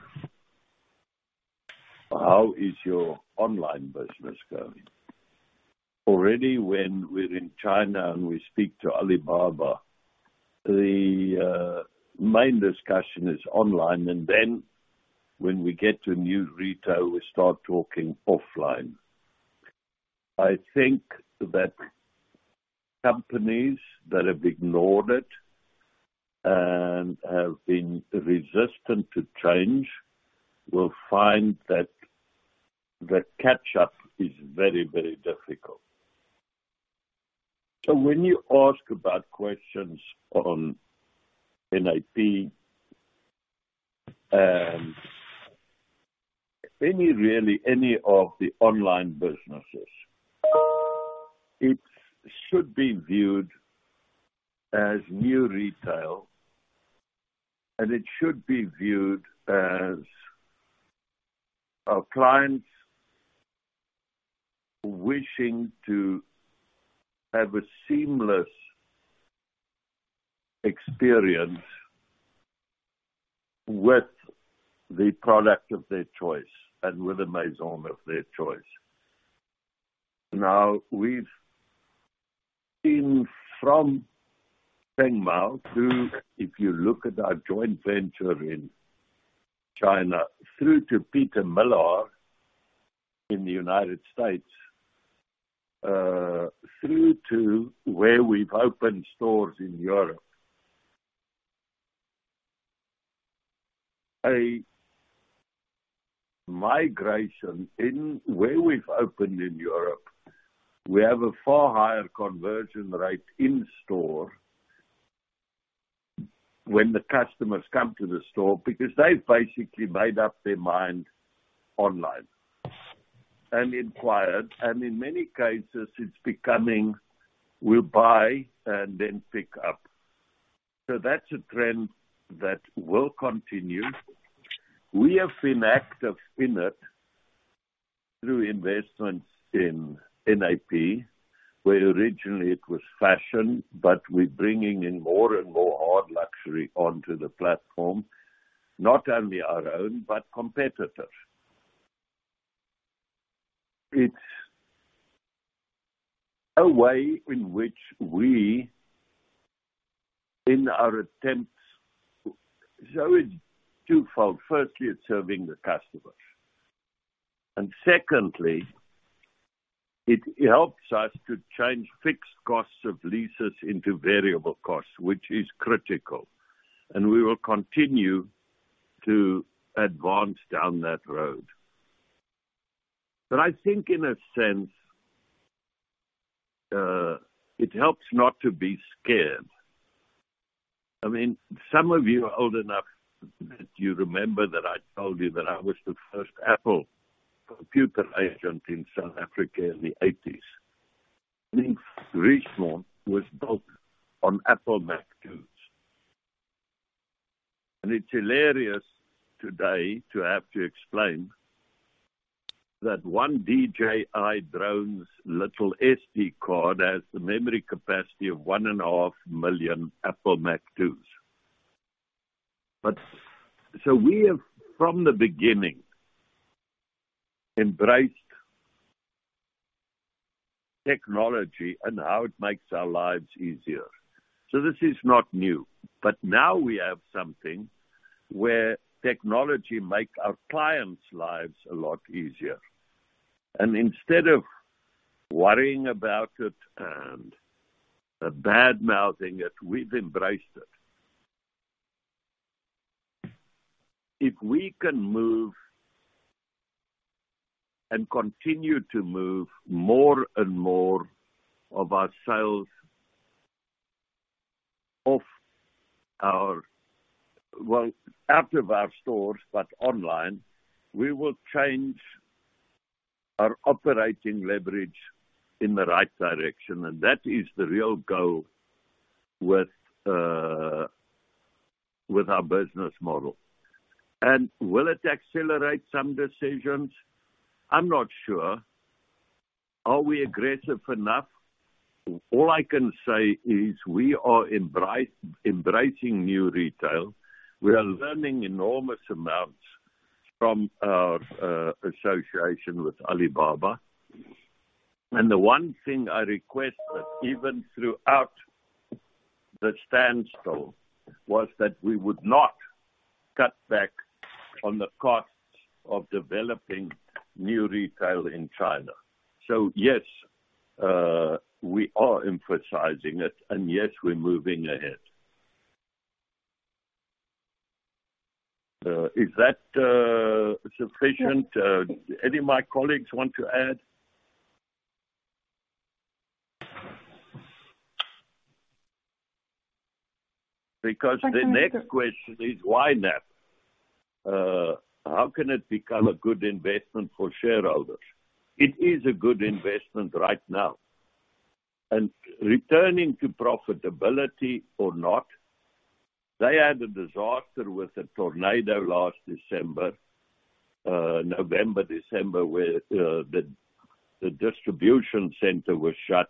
"How is your online business going?" Already when we're in China and we speak to Alibaba, the main discussion is online. When we get to New Retail, we start talking offline. I think that companies that have ignored it and have been resistant to change will find that the catch-up is very difficult. When you ask about questions on NAP and really any of the online businesses, it should be viewed as New Retail, and it should be viewed as our clients wishing to have a seamless experience with the product of their choice and with a maison of their choice. Now, we've seen from Fengmao through, if you look at our joint venture in China, through to Peter Millar in the United States, through to where we've opened stores in Europe. A migration in where we've opened in Europe, we have a far higher conversion rate in store when the customers come to the store because they've basically made up their mind online and inquired, and in many cases, it's becoming, we'll buy and then pick up. That's a trend that will continue. We have been active in it through investments in NAP, where originally it was fashion, but we're bringing in more and more hard luxury onto the platform, not only our own, but competitors. It is a way in which we, in our attempts, it is twofold. Firstly, it's serving the customers. Secondly, it helps us to change fixed costs of leases into variable costs, which is critical. We will continue to advance down that road. I think in a sense, it helps not to be scared. Some of you are old enough that you remember that I told you that I was the first Apple computer agent in South Africa in the 1980s. Richemont was built on Apple Macintosh II. It is hilarious today to have to explain that one DJI drone's little SD card has the memory capacity of one and a half million Apple Macintosh II. We have, from the beginning, embraced technology and how it makes our lives easier. This is not new. Now we have something where technology make our clients' lives a lot easier. Instead of worrying about it and badmouthing it, we've embraced it. If we can move and continue to move more and more of our sales off our, well, out of our stores but online, we will change our operating leverage in the right direction, and that is the real goal with our business model. Will it accelerate some decisions? I'm not sure. Are we aggressive enough? All I can say is we are embracing New Retail. We are learning enormous amounts from our association with Alibaba. The one thing I requested, even throughout the standstill, was that we would not cut back on the costs of developing New Retail in China. Yes, we are emphasizing it, and yes, we're moving ahead. Is that sufficient? Any of my colleagues want to add? The next question is why that? How can it become a good investment for shareholders? It is a good investment right now, and returning to profitability or not, they had a disaster with a tornado last December, November, December, where the distribution center was shut.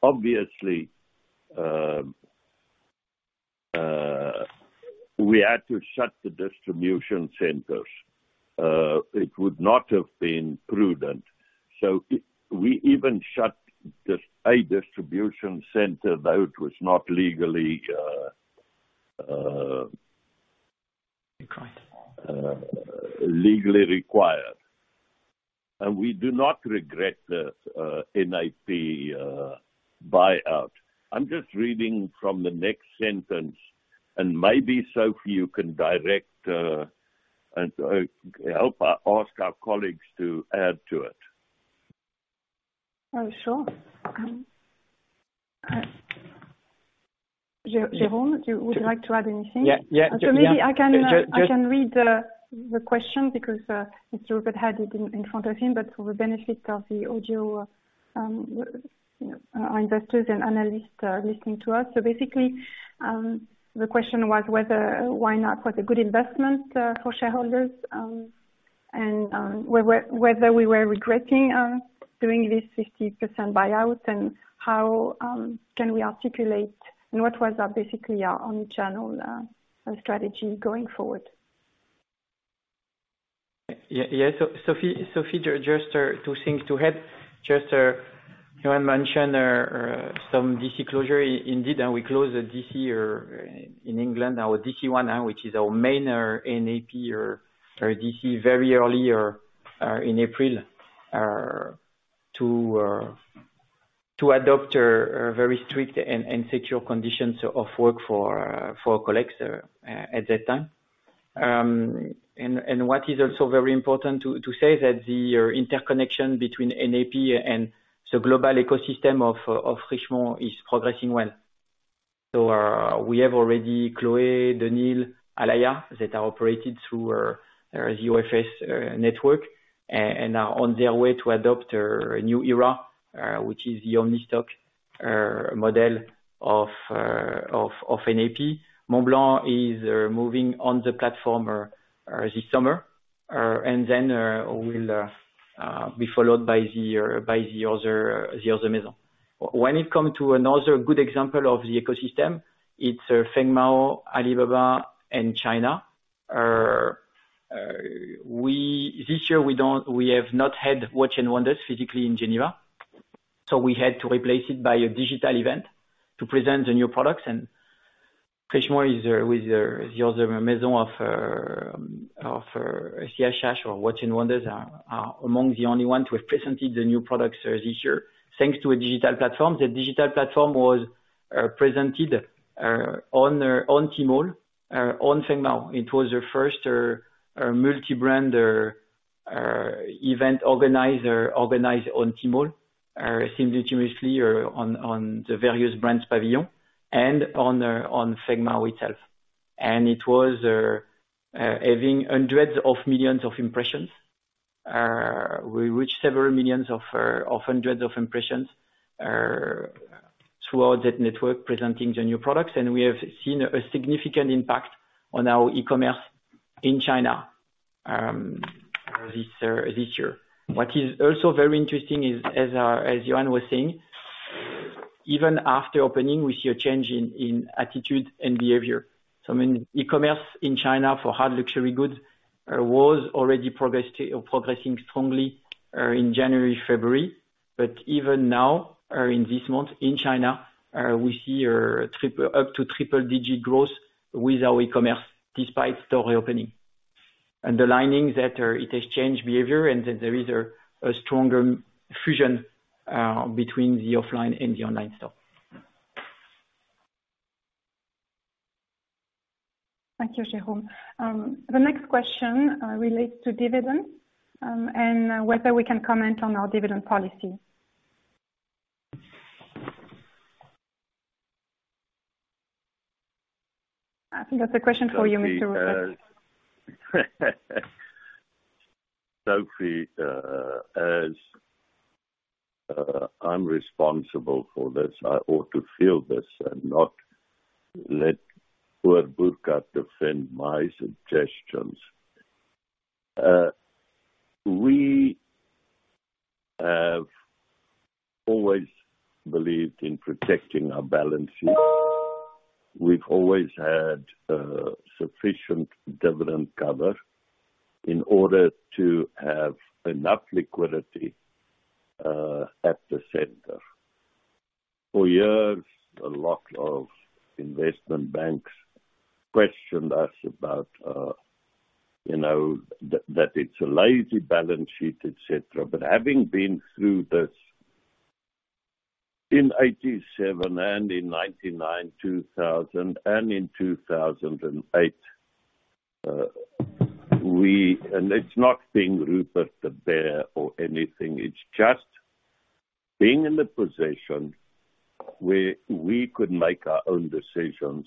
Obviously, we had to shut the distribution centers. It would not have been prudent. We even shut a distribution center, though it was not legally- Required legally required. We do not regret the NAP buyout. I'm just reading from the next sentence, and maybe, Sophie, you can direct and help ask our colleagues to add to it. Oh, sure. Jérôme, would you like to add anything? Yeah. Maybe I can read the question because Mr. Rupert had it in front of him, but for the benefit of the audio, our investors and analysts listening to us. Basically, the question was whether YNAP was a good investment for shareholders and whether we were regretting doing this 50% buyout, and how can we articulate, and what was our basically our omnichannel strategy going forward. Sophie, just two things to add. Johann mentioned some DC closure. Indeed, we closed the DC in England, our DC 1, which is our main NAP DC, very early in April, to adopt a very strict and secure conditions of work for colleagues at that time. What is also very important to say that the interconnection between NAP and the global ecosystem of Richemont is progressing well. We have already Chloé, dunhill, Alaïa, that are operated through the OFS network and are on their way to adopt a new era, which is the omnistock model of NAP Montblanc is moving on the platform this summer, then will be followed by the other maison. When it come to another good example of the ecosystem, it's Fengmao, Alibaba, and China. This year we have not had Watches and Wonders physically in Geneva, so we had to replace it by a digital event to present the new products. Richemont with the other maison of SIHH, or Watches and Wonders, are among the only ones who have presented the new products this year, thanks to a digital platform. The digital platform was presented on Tmall, on Fengmao. It was the first multi-brand event organized on Tmall, simultaneously on the various brands' pavilion and on Fengmao itself. It was having hundreds of millions of impressions. We reached several millions of hundreds of impressions throughout that network presenting the new products, and we have seen a significant impact on our e-commerce in China this year. What is also very interesting is, as Johann was saying, even after opening, we see a change in attitude and behavior. E-commerce in China for hard luxury goods was already progressing strongly in January, February. Even now, in this month in China, we see up to triple digit growth with our e-commerce despite store reopening. Underlining that it has changed behavior and that there is a stronger fusion between the offline and the online store. Thank you, Jérôme. The next question relates to dividends, and whether we can comment on our dividend policy. I think that's a question for you, Mr. Rupert. Sophie, as I'm responsible for this, I ought to field this and not let poor Burkhart defend my suggestions. We have always believed in protecting our balance sheet. We've always had sufficient dividend cover in order to have enough liquidity at the center. For years, a lot of investment banks questioned us about that it's a lazy balance sheet, et cetera. Having been through this in 1987 and in 1999, 2000, and in 2008, and it's not being Rupert the Bear or anything, it's just being in the position where we could make our own decisions,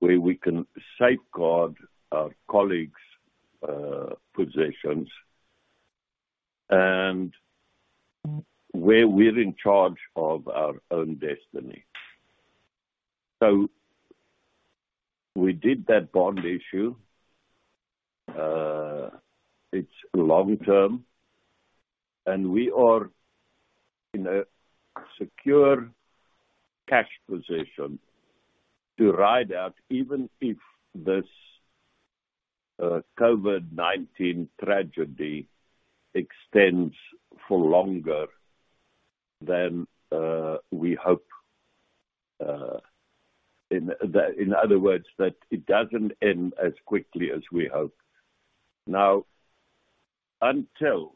where we can safeguard our colleagues' positions, and where we're in charge of our own destiny. We did that bond issue. It's long-term, and we are in a secure cash position to ride out, even if this COVID-19 tragedy extends for longer than we hope. In other words, that it doesn't end as quickly as we hope. Until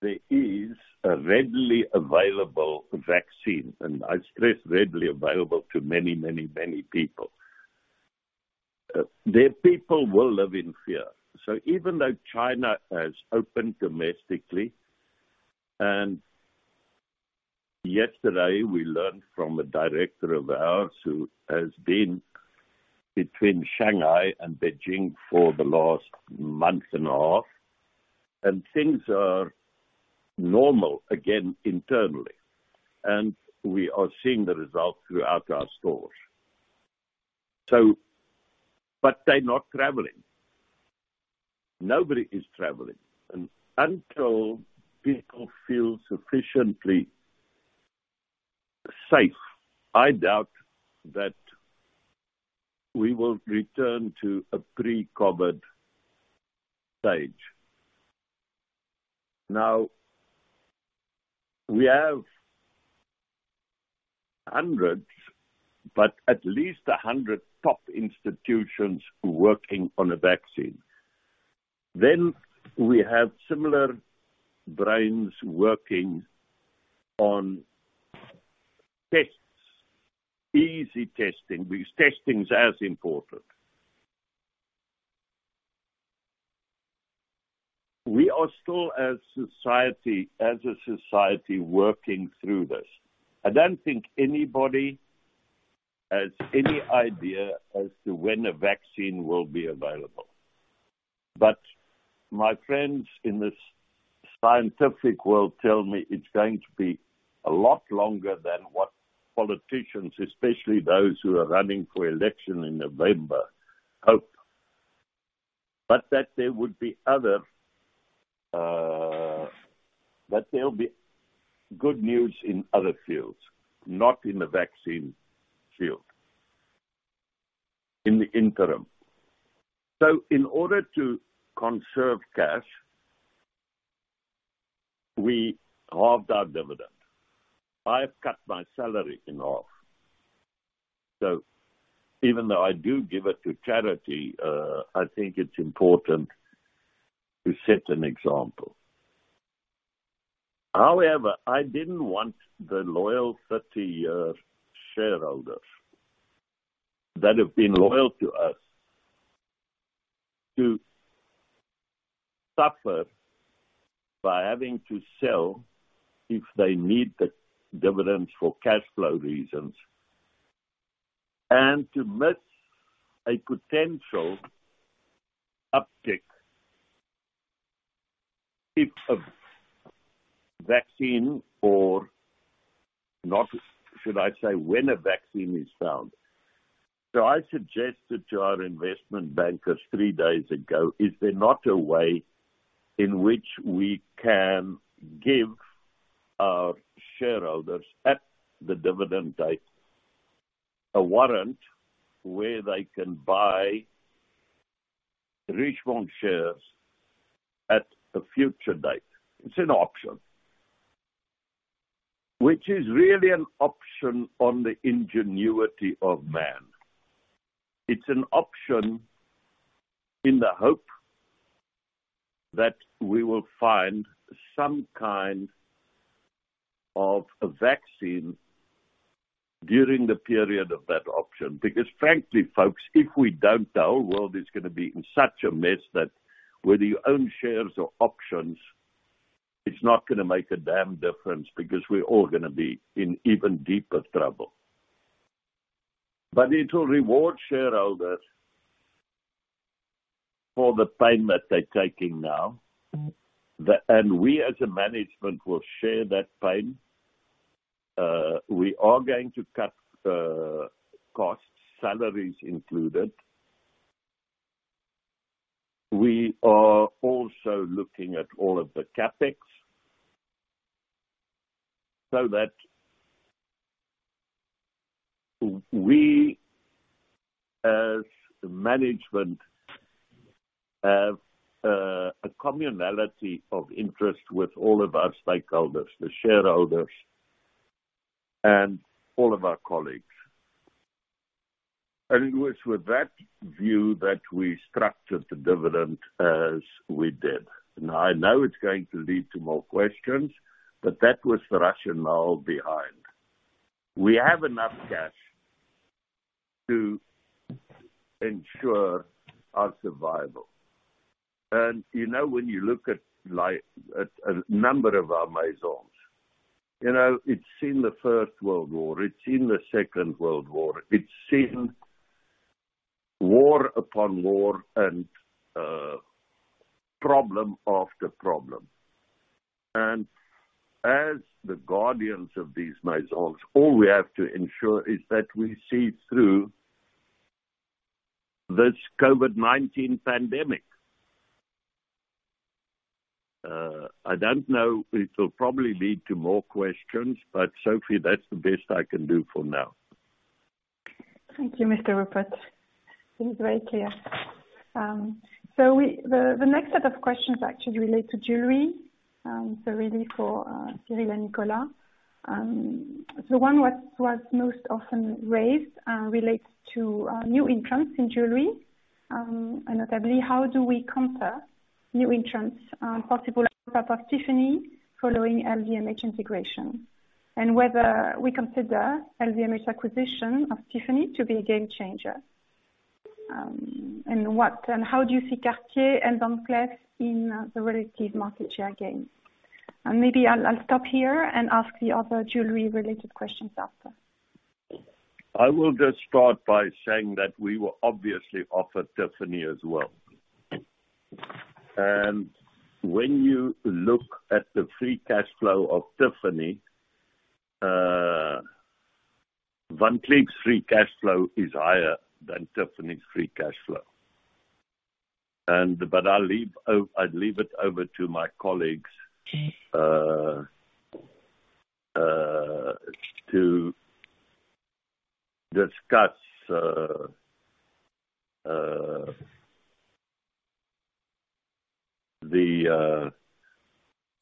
there is a readily available vaccine, and I stress readily available to many, many, many people, their people will live in fear. Even though China has opened domestically, and yesterday we learned from a director of ours who has been between Shanghai and Beijing for the last month and a half, and things are normal again internally, and we are seeing the results throughout our stores. They're not traveling. Nobody is traveling. Until people feel sufficiently safe, I doubt that we will return to a pre-COVID stage. We have hundreds, but at least 100 top institutions working on a vaccine. We have similar brains working on tests, easy testing, because testing is as important. We are still as a society working through this. I don't think anybody has any idea as to when a vaccine will be available. My friends in this scientific world tell me it's going to be a lot longer than what politicians, especially those who are running for election in November, hope. That there would be good news in other fields, not in the vaccine field, in the interim. In order to conserve cash, we halved our dividend. I've cut my salary in half. Even though I do give it to charity, I think it's important to set an example. However, I didn't want the loyal 30-year shareholders that have been loyal to us to suffer by having to sell if they need the dividends for cash flow reasons and to miss a potential uptick if a vaccine or not, should I say, when a vaccine is found. I suggested to our investment bankers three days ago. Is there not a way in which we can give our shareholders at the dividend date a warrant where they can buy Richemont shares at a future date? It's an option. Which is really an option on the ingenuity of man. It's an option in the hope that we will find some kind of a vaccine during the period of that option. Frankly, folks, if we don't, the whole world is going to be in such a mess that whether you own shares or options, it's not going to make a damn difference because we're all going to be in even deeper trouble. It will reward shareholders for the pain that they're taking now. We as a management will share that pain. We are going to cut costs, salaries included. We are also looking at all of the CapEx so that we as management have a commonality of interest with all of our stakeholders, the shareholders, and all of our colleagues. It was with that view that we structured the dividend as we did. I know it's going to lead to more questions, that was the rationale behind. We have enough cash to ensure our survival. When you look at a number of our Maisons, it's seen the First World War, it's seen the Second World War, it's seen war upon war and problem after problem. As the guardians of these Maisons, all we have to ensure is that we see through this COVID-19 pandemic. I don't know, it will probably lead to more questions, but Sophie, that's the best I can do for now. Thank you, Mr. Rupert. It is very clear. The next set of questions actually relate to jewelry, really for Cyrille and Nicolas. The one was most often raised relates to new entrants in jewelry. Notably, how do we counter new entrants, possible of Tiffany following LVMH integration. Whether we consider LVMH acquisition of Tiffany to be a game changer. How do you see Cartier and Van Cleef in the relative market share gain? Maybe I'll stop here and ask the other jewelry-related questions after. I will just start by saying that we were obviously offered Tiffany as well. When you look at the free cash flow of Tiffany, Van Cleef's free cash flow is higher than Tiffany's free cash flow. I'd leave it over to my colleagues. Okay to discuss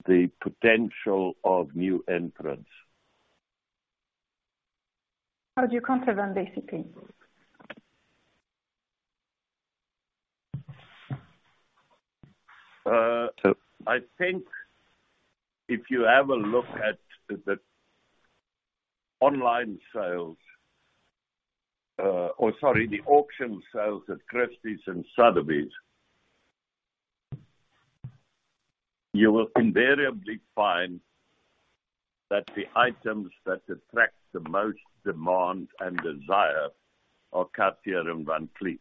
the potential of new entrants. How do you counter them, basically? I think if you have a look at the online sales, or sorry, the auction sales at Christie's and Sotheby's, you will invariably find that the items that attract the most demand and desire are Cartier and Van Cleef.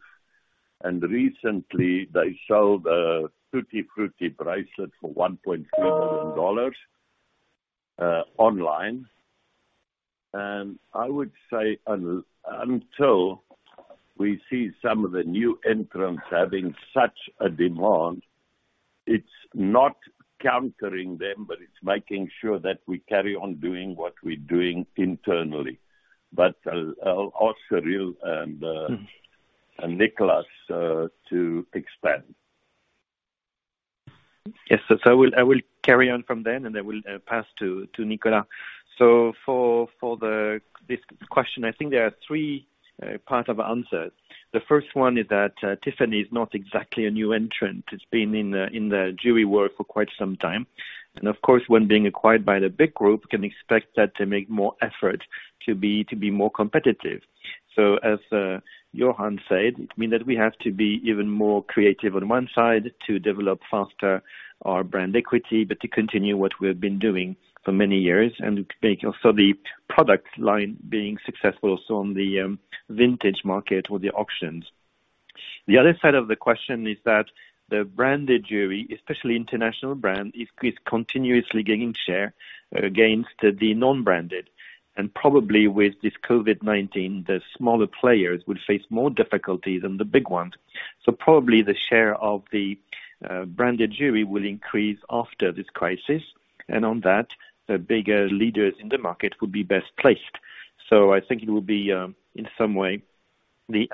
Recently, they sold a Tutti Frutti bracelet for $1.3 million online. I would say until we see some of the new entrants having such a demand, it's not countering them, it's making sure that we carry on doing what we're doing internally. I'll ask Cyrille and Nicolas to expand. Yes. I will carry on from then, and I will pass to Nicolas. For this question, I think there are three part of answers. The first one is that Tiffany is not exactly a new entrant. It's been in the jewelry world for quite some time. Of course, when being acquired by the big group, can expect that to make more effort to be more competitive. As Johann said, it mean that we have to be even more creative on one side to develop faster our brand equity, but to continue what we have been doing for many years, and make also the product line being successful also on the vintage market or the auctions. The other side of the question is that the branded jewelry, especially international brand, is continuously gaining share against the non-branded. Probably with this COVID-19, the smaller players will face more difficulty than the big ones. Probably the share of the branded jewelry will increase after this crisis. On that, the bigger leaders in the market will be best placed. I think it will be, in some way, the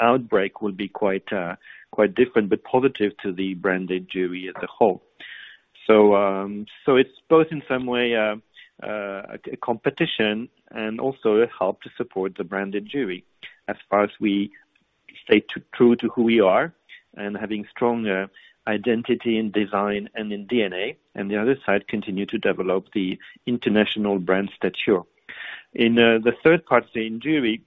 outbreak will be quite different, but positive to the branded jewelry as a whole. It's both in some way, a competition and also a help to support the branded jewelry. As far as we stay true to who we are and having strong identity in design and in DNA, and the other side continue to develop the international brand stature. In the third part, in jewelry,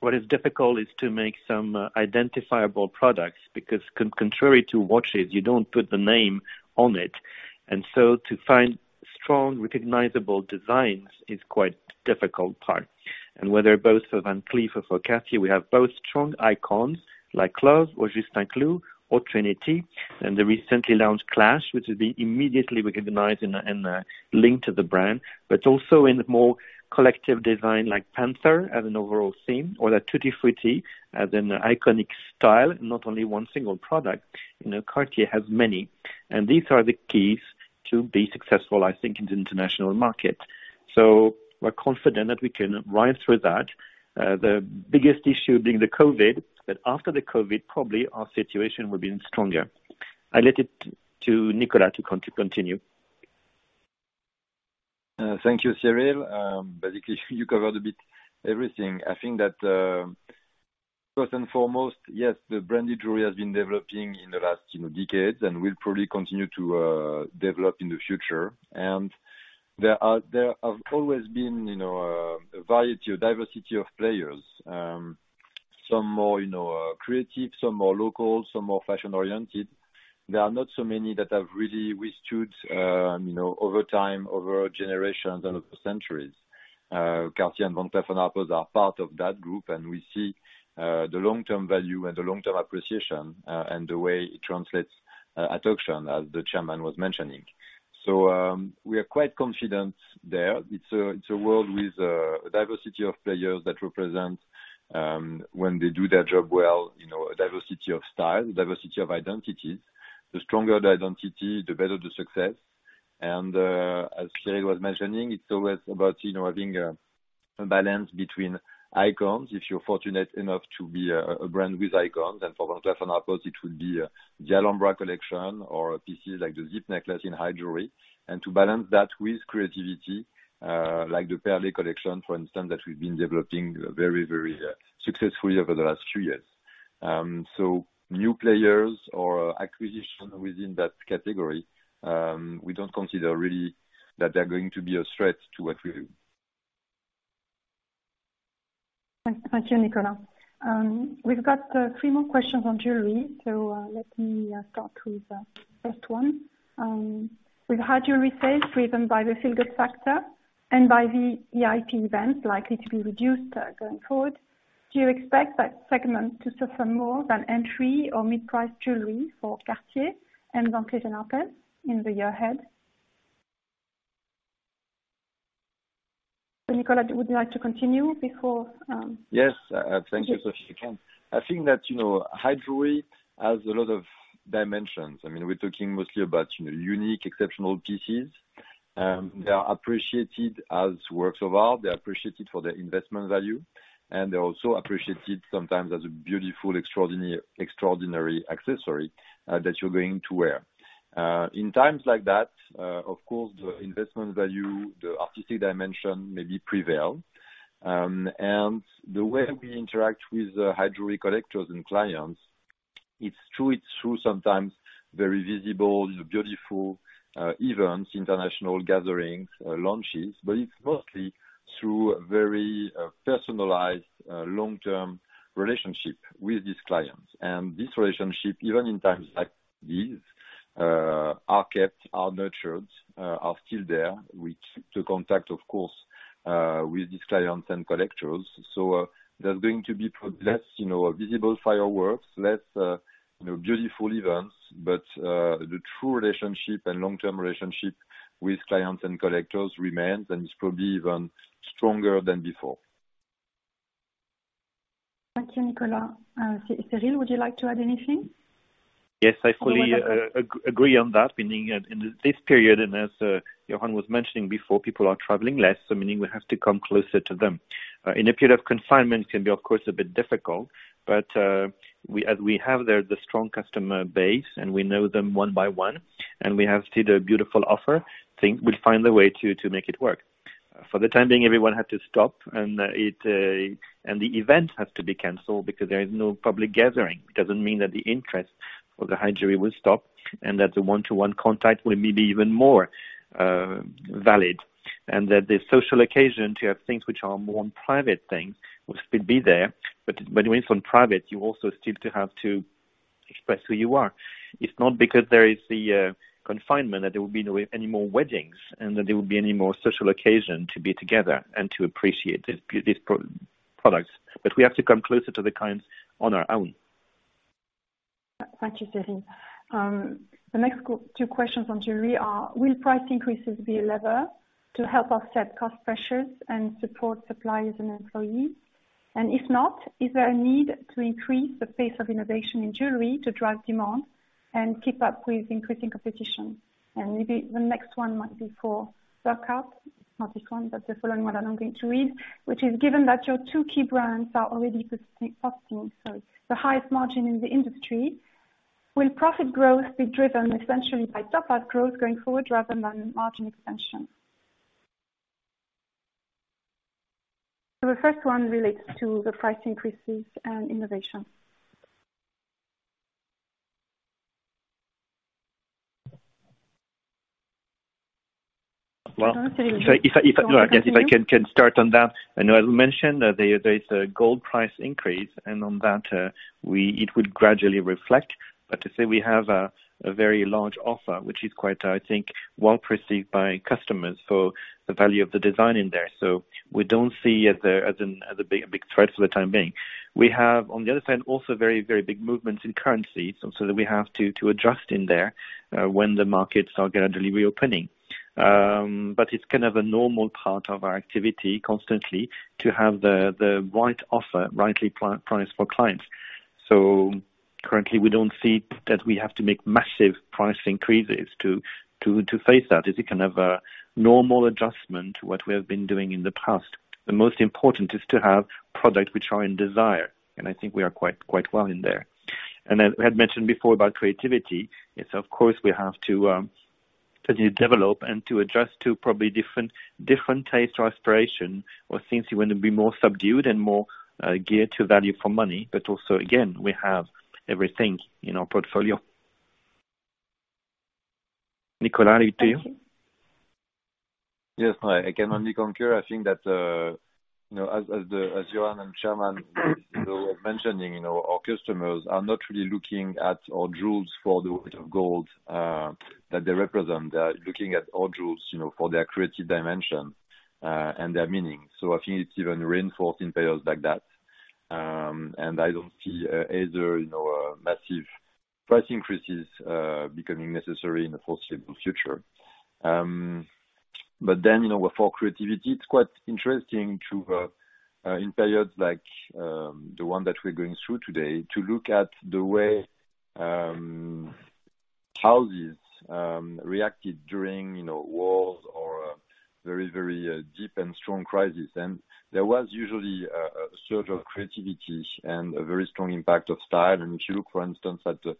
what is difficult is to make some identifiable products, because contrary to watches, you don't put the name on it. To find strong recognizable designs is quite difficult part. Whether both for Van Cleef or for Cartier, we have both strong icons like. The first one relates to the price increases and innovation. If I can start on that. I know I mentioned that there is a gold price increase, and on that, it would gradually reflect. To say we have a very large offer, which is quite, I think, well perceived by customers for the value of the design in there. We don't see it as a big threat for the time being. We have, on the other hand, also very big movements in currency, so that we have to adjust in there when the markets are gradually reopening. It's kind of a normal part of our activity constantly to have the right offer rightly priced for clients. Currently, we don't see that we have to make massive price increases to face that. It is kind of a normal adjustment to what we have been doing in the past. The most important is to have products which are in desire. I think we are quite well in there. As we had mentioned before about creativity, yes, of course, we have to continue to develop and to adjust to probably different taste or aspiration or things you want to be more subdued and more geared to value for money. Also, again, we have everything in our portfolio. Nicolas, over to you. Yes. I can only concur. I think that, as Johann and Chairman were mentioning, our customers are not really looking at our jewels for the weight of gold that they represent. They are looking at all jewels for their creative dimension and their meaning. I think it even reinforces periods like that. I don't see either massive price increases becoming necessary in the foreseeable future. For creativity, it's quite interesting to, in periods like the one that we're going through today, to look at the way houses reacted during wars or very deep and strong crisis. There was usually a surge of creativity and a very strong impact of style. If you look, for instance, at the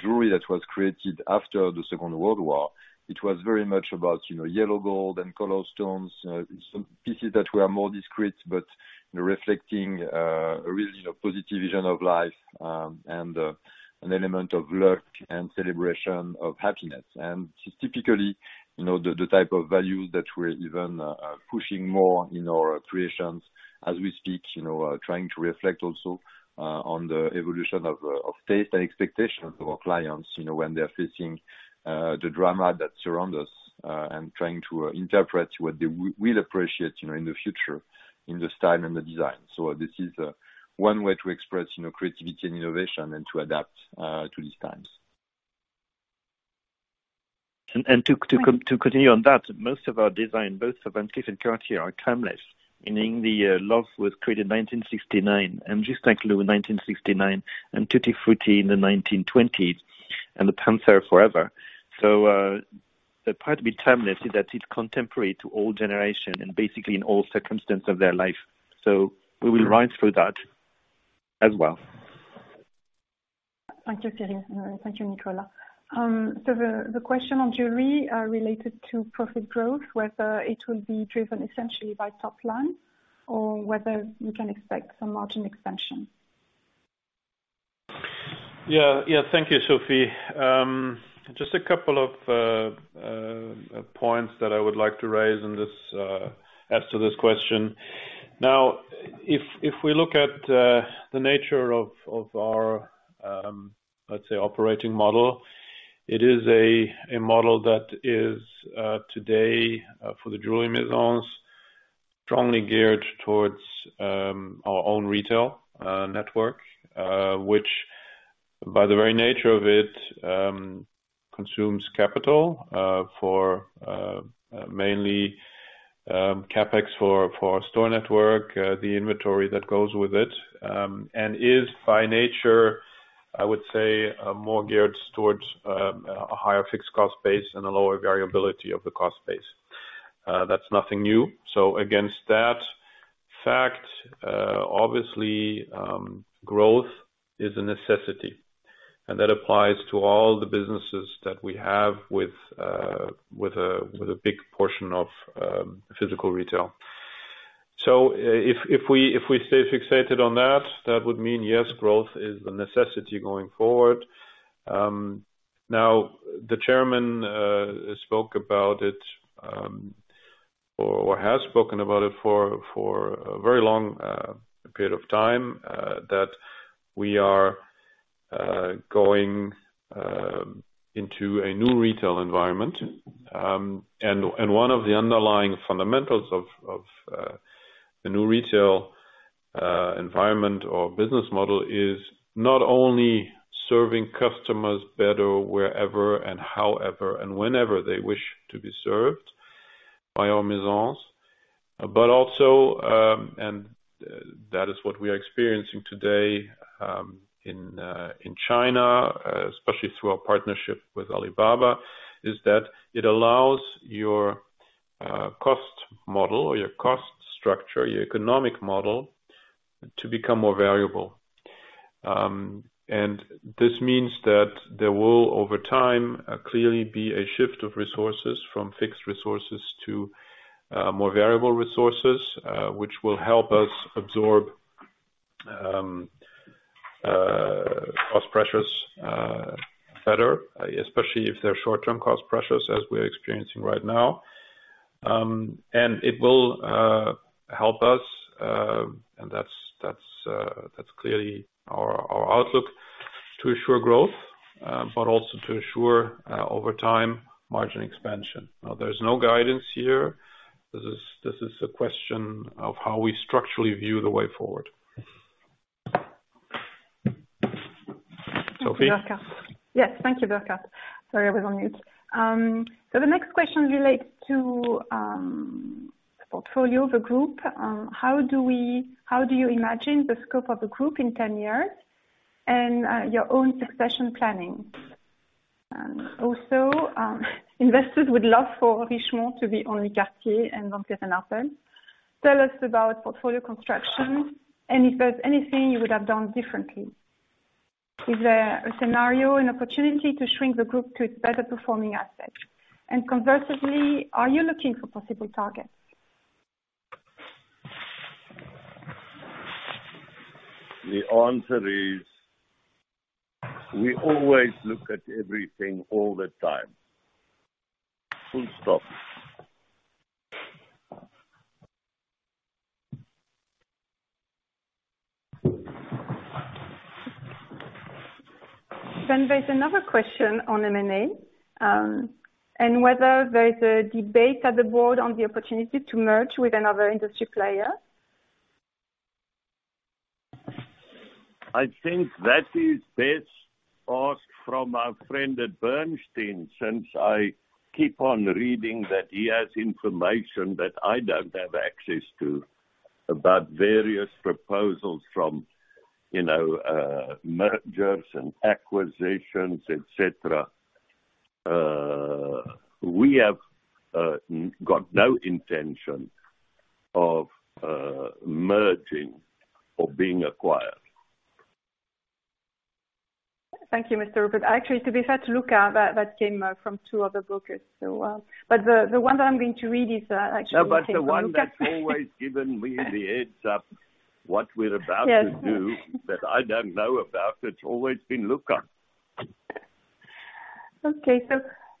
jewelry that was created after the Second World War, it was very much about yellow gold and color stones, some pieces that were more discreet, but reflecting a real positive vision of life and an element of luck and celebration of happiness. It's typically the type of value that we're even pushing more in our creations as we speak, trying to reflect also on the evolution of taste and expectations of our clients, when they're facing the drama that surround us and trying to interpret what they will appreciate in the future in the style and the design. This is one way to express creativity and innovation and to adapt to these times. To continue on that, most of our design, both Van Cleef and Cartier are timeless. Meaning the Love was created in 1969 and Juste un Clou in 1969 and Tutti Frutti in the 1920s and the Panthère forever. The part to be timeless is that it's contemporary to all generation and basically in all circumstance of their life. We will rise through that as well. Thank you, Cyrille. Thank you, Nicolas. The question on jewelry related to profit growth, whether it will be driven essentially by top line or whether we can expect some margin expansion. Thank you, Sophie. Just a couple of points that I would like to raise in this answer to this question. If we look at the nature of our, let's say, operating model, it is a model that is today for the jewelry Maisons, strongly geared towards our own retail network. Which by the very nature of it, consumes capital for mainly CapEx for our store network, the inventory that goes with it, and is by nature, I would say, more geared towards a higher fixed cost base and a lower variability of the cost base. That's nothing new. Against that fact, obviously, growth is a necessity, and that applies to all the businesses that we have with a big portion of physical retail. If we stay fixated on that would mean, yes, growth is a necessity going forward. The Chairman spoke about it or has spoken about it for a very long period of time, that we are going into a new retail environment. One of the underlying fundamentals of the new retail environment or business model is not only serving customers better wherever and however and whenever they wish to be served by our maisons, but also, and that is what we are experiencing today in China, especially through our partnership with Alibaba, is that it allows your cost model or your cost structure, your economic model to become more variable. This means that there will, over time, clearly be a shift of resources from fixed resources to more variable resources, which will help us absorb cost pressures better, especially if they're short-term cost pressures as we're experiencing right now. It will help us, and that's clearly our outlook to assure growth, but also to assure, over time, margin expansion. There's no guidance here. This is a question of how we structurally view the way forward. Sophie? Thank you, Burkhart. Yes, thank you, Burkhart. Sorry, I was on mute. The next question relates to portfolio of the group. How do you imagine the scope of the group in 10 years and your own succession planning? Investors would love for Richemont to be only Cartier and Van Cleef & Arpels. Tell us about portfolio construction and if there's anything you would have done differently. Is there a scenario, an opportunity to shrink the group to its better performing assets? Conversely, are you looking for possible targets? The answer is, we always look at everything all the time. Full stop. There's another question on M&A, and whether there is a debate at the board on the opportunity to merge with another industry player. I think that is best asked from our friend at Bernstein, since I keep on reading that he has information that I don't have access to about various proposals from mergers and acquisitions, et cetera. We have got no intention of merging or being acquired. Thank you, Mr. Rupert. Actually, to be fair to Luca, that came from two other brokers as well. The one that I'm going to read is actually from Luca. No. The one that's always given me the heads up what we're about to do. Yes that I don't know about, it's always been Luca. Okay.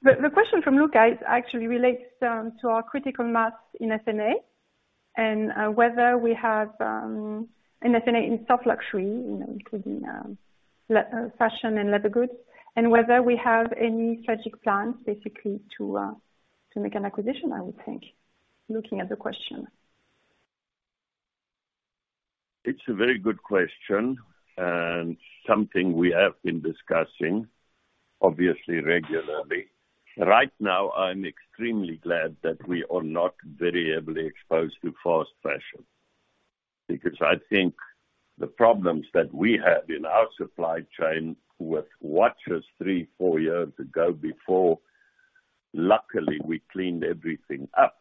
The question from Luca actually relates to our critical mass in F&A, in soft luxury, it could be fashion and leather goods, and whether we have any strategic plans basically to make an acquisition, I would think, looking at the question. It's a very good question and something we have been discussing, obviously regularly. Right now, I'm extremely glad that we are not variably exposed to fast fashion because I think the problems that we had in our supply chain with watches three, four years ago before, luckily, we cleaned everything up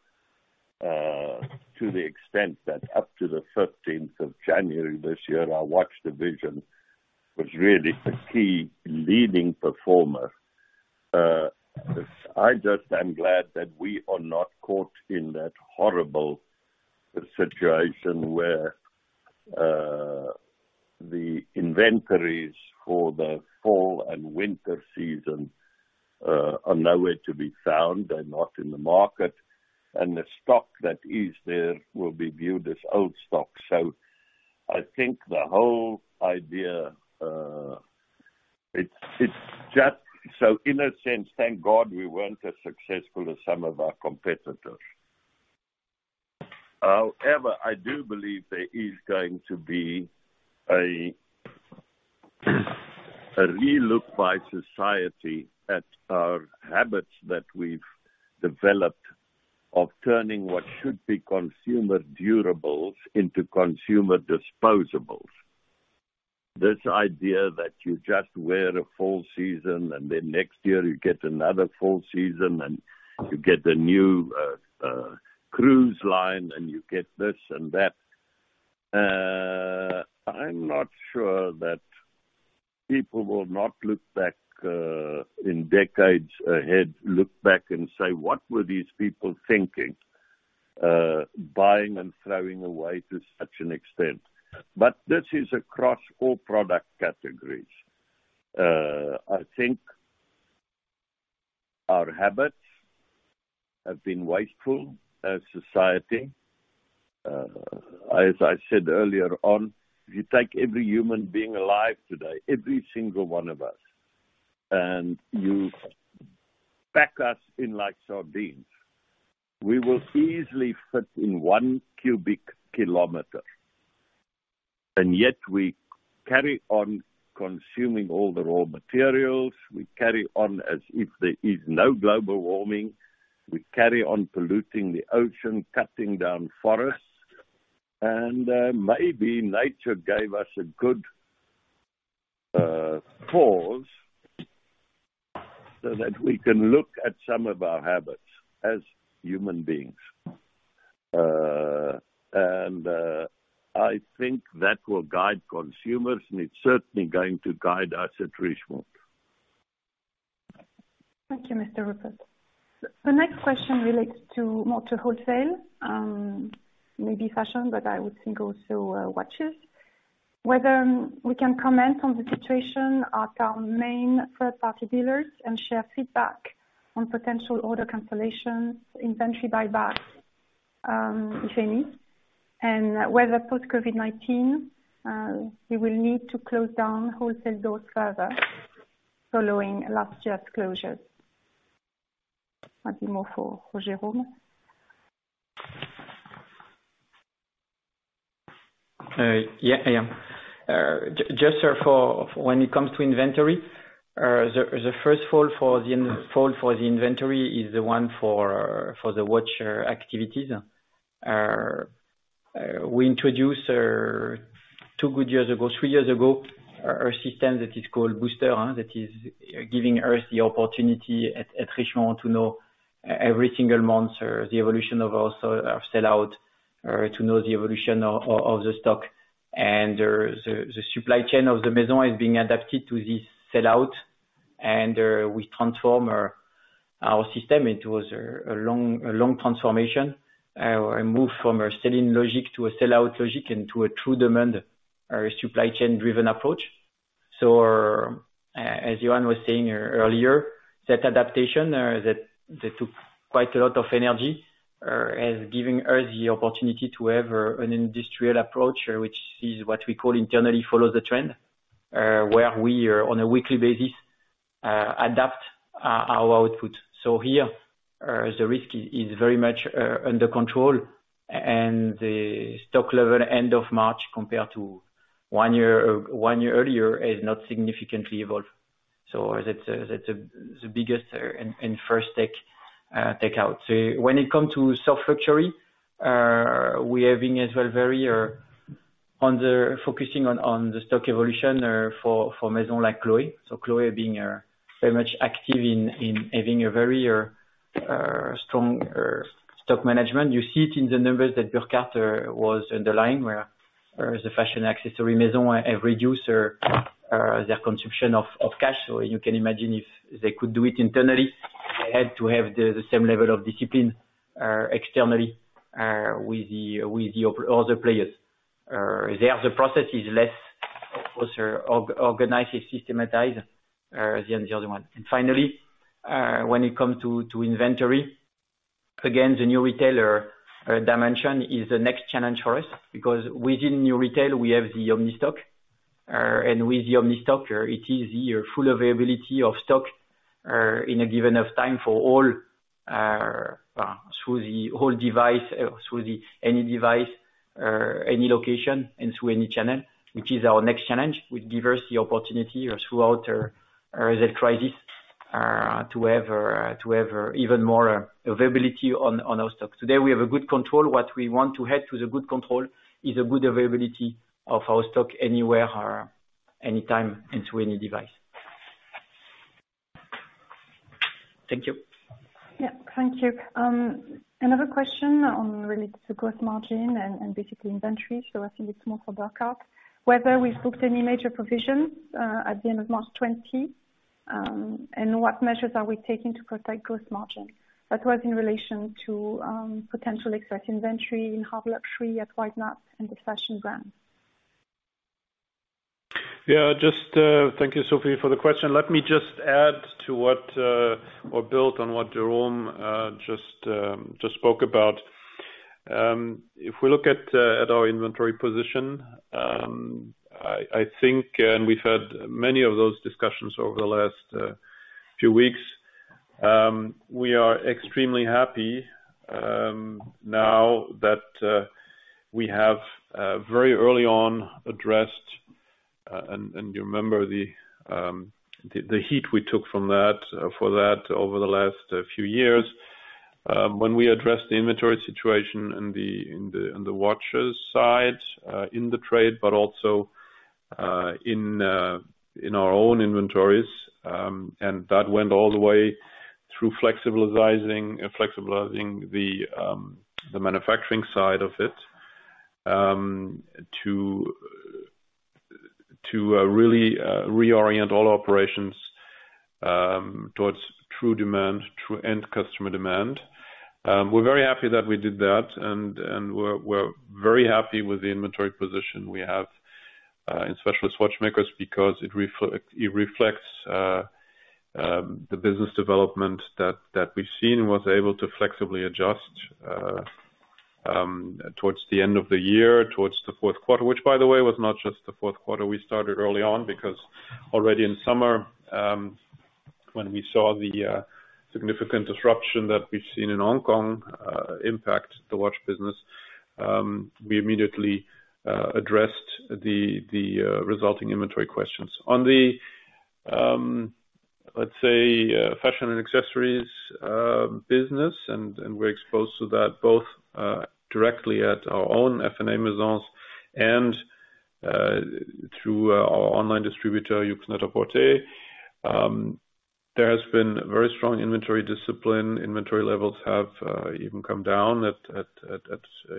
to the extent that up to the 13th of January this year, our watch division was really the key leading performer. I just am glad that we are not caught in that horrible situation where the inventories for the fall and winter season are nowhere to be found. They're not in the market, and the stock that is there will be viewed as old stock. I think the whole idea, in a sense, thank God we weren't as successful as some of our competitors. However, I do believe there is going to be a re-look by society at our habits that we've developed of turning what should be consumer durables into consumer disposables. This idea that you just wear a full season and then next year you get another full season, and you get a new cruise line and you get this and that. I'm not sure that people will not, in decades ahead, look back and say, "What were these people thinking? Buying and throwing away to such an extent." This is across all product categories. I think our habits have been wasteful as society. As I said earlier on, if you take every human being alive today, every single one of us, and you pack us in like sardines, we will easily fit in one cubic kilometer. Yet we carry on consuming all the raw materials. We carry on as if there is no global warming. We carry on polluting the ocean, cutting down forests, and maybe nature gave us a good pause, so that we can look at some of our habits as human beings. I think that will guide consumers, and it's certainly going to guide us at Richemont. Thank you, Mr. Rupert. The next question relates more to wholesale, maybe fashion, but I would think also watches. Whether we can comment on the situation at our main third-party dealers and share feedback on potential order cancellations, inventory buyback, if any. Whether post-COVID-19, we will need to close down wholesale doors further following last year's closures. Might be more for Jérôme. Yeah. Just for when it comes to inventory, the first fall for the inventory is the one for the watch activities. We introduced two good years ago, three years ago, a system that is called Booster, that is giving us the opportunity at Richemont to know every single month the evolution of our sell-out, to know the evolution of the stock. The supply chain of the Maison is being adapted to this sell-out, and we transform our system. It was a long transformation. A move from a selling logic to a sell-out logic into a true demand supply chain-driven approach. As Johann was saying earlier, that adaptation, that took quite a lot of energy, has given us the opportunity to have an industrial approach, which is what we call internally follows the trend, where we on a weekly basis adapt our output. Here, the risk is very much under control, and the stock level end of March compared to one year earlier has not significantly evolved. That's the biggest and first take out. When it comes to soft luxury, we are being as well very on the focusing on the stock evolution for Maisons like Chloé. Chloé being very much active in having a very strong stock management. You see it in the numbers that Burkhart was underlying where the fashion accessory Maisons have reduced their consumption of cash. You can imagine if they could do it internally, they had to have the same level of discipline externally with the other players. Their process is less organized and systematized than the other one. Finally, when it comes to inventory, again, the new retailer dimension is the next challenge for us because within New Retail, we have the omnistock. With the omnistock, it is your full availability of stock in a given of time through any device, any location, and through any channel, which is our next challenge, which gives us the opportunity throughout the crisis to have even more availability on our stock. Today, we have a good control. What we want to add to the good control is a good availability of our stock anywhere, anytime, and through any device. Thank you. Yeah. Thank you. Another question related to gross margin and basically inventory. I think it's more for Burkhart. Whether we've booked any major provisions at the end of March 2020, and what measures are we taking to protect gross margin. That was in relation to potential excess inventory in hard luxury and whatnot in the fashion brand. Thank you, Sophie, for the question. Let me just add to what, or build on what Jérôme just spoke about. If we look at our inventory position, I think, and we've had many of those discussions over the last few weeks, we are extremely happy now that we have very early on addressed, and you remember the heat we took for that over the last few years, when we addressed the inventory situation in the watches side in the trade, but also in our own inventories, and that went all the way through flexibilizing the manufacturing side of it to really reorient all operations towards true demand, true end customer demand. We're very happy that we did that, and we're very happy with the inventory position we have in specialist watchmakers because it reflects the business development that we've seen was able to flexibly adjust towards the end of the year, towards the fourth quarter. Which, by the way, was not just the fourth quarter we started early on, because already in summer, when we saw the significant disruption that we've seen in Hong Kong impact the watch business, we immediately addressed the resulting inventory questions. On the, let's say, Fashion & Accessories business, and we're exposed to that both directly at our own F&A Maisons and through our online distributor, YOOX NET-A-PORTER There has been very strong inventory discipline. Inventory levels have even come down at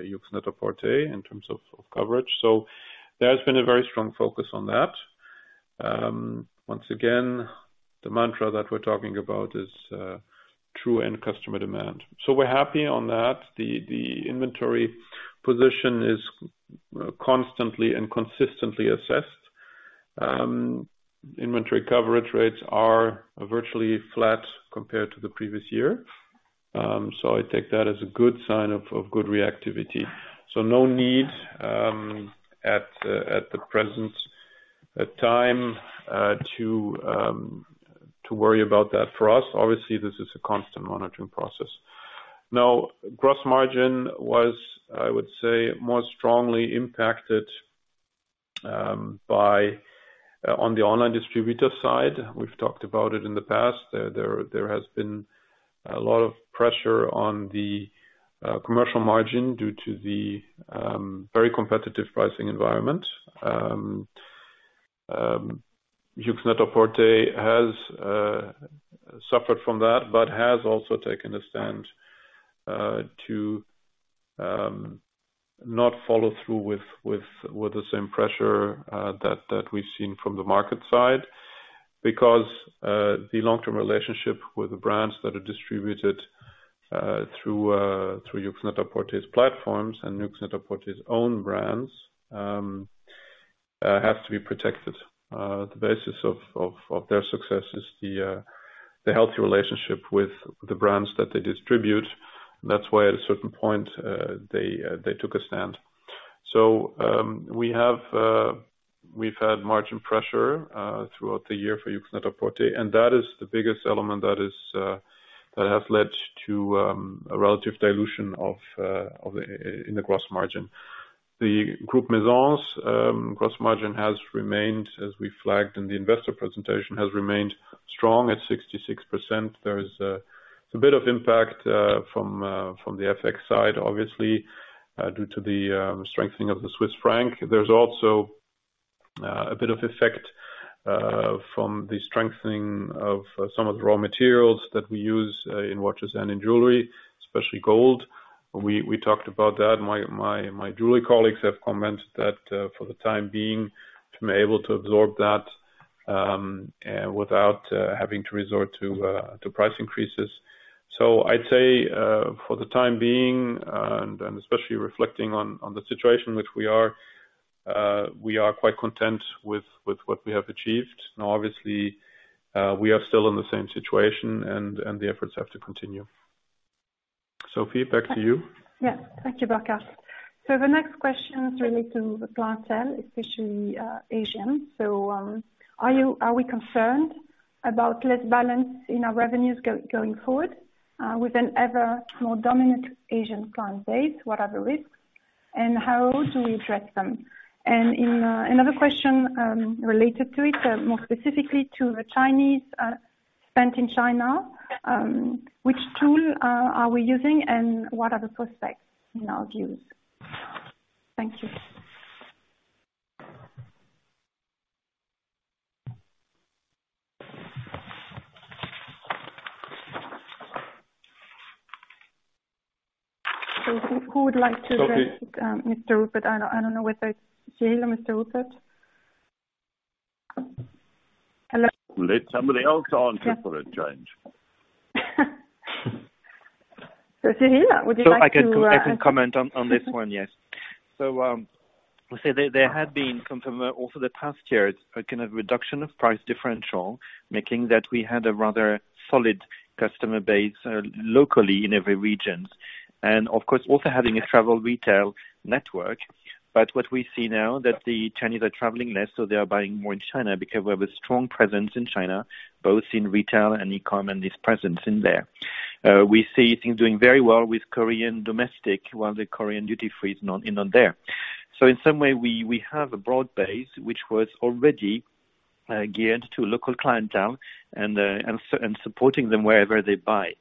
YOOX NET-A-PORTER in terms of coverage. There has been a very strong focus on that. The mantra that we're talking about is true end customer demand. We're happy on that. The inventory position is constantly and consistently assessed. Inventory coverage rates are virtually flat compared to the previous year. I take that as a good sign of good reactivity. No need at the present time to worry about that for us. Obviously, this is a constant monitoring process. Gross margin was, I would say, more strongly impacted on the online distributor side. We've talked about it in the past. There has been a lot of pressure on the commercial margin due to the very competitive pricing environment. YOOX NET-A-PORTER has suffered from that, has also taken a stand to not follow through with the same pressure that we've seen from the market side because the long-term relationship with the brands that are distributed through YOOX NET-A-PORTER's platforms and YOOX NET-A-PORTER's own brands have to be protected. The basis of their success is the healthy relationship with the brands that they distribute. That's why at a certain point they took a stand. We've had margin pressure throughout the year for YOOX NET-A-PORTER, that is the biggest element that have led to a relative dilution in the gross margin. The Group Maisons gross margin has remained, as we flagged in the investor presentation, has remained strong at 66%. There is a bit of impact from the FX side, obviously due to the strengthening of the Swiss franc. There is also a bit of effect from the strengthening of some of the raw materials that we use in watches and in jewelry, especially gold. We talked about that. My jewelry colleagues have commented that for the time being, to be able to absorb that without having to resort to price increases. I'd say for the time being, and especially reflecting on the situation which we are quite content with what we have achieved. Now, obviously, we are still in the same situation and the efforts have to continue. Sophie, back to you. Yes. Thank you, Burkhart. The next question is related to the clientele, especially Asian. Are we concerned about less balance in our revenues going forward with an ever more dominant Asian client base? What are the risks and how do we address them? Another question related to it, more specifically to the Chinese, spent in China. Which tool are we using and what are the prospects in our views? Thank you. Who would like to address, Mr. Rupert? I don't know whether Cyrille or Mr. Rupert? Hello? Let somebody else answer for a change. So Cyrill, would you like to- I can comment on this one, yes. There had been, over the past years, a kind of reduction of price differential, making that we had a rather solid customer base locally in every region. Of course, also having a travel retail network. What we see now that the Chinese are traveling less, so they are buying more in China because we have a strong presence in China, both in retail and e-com and this presence in there. We see things doing very well with Korean domestic, while the Korean duty-free is not there. In some way, we have a broad base, which was already geared to local clientele and supporting them wherever they buy.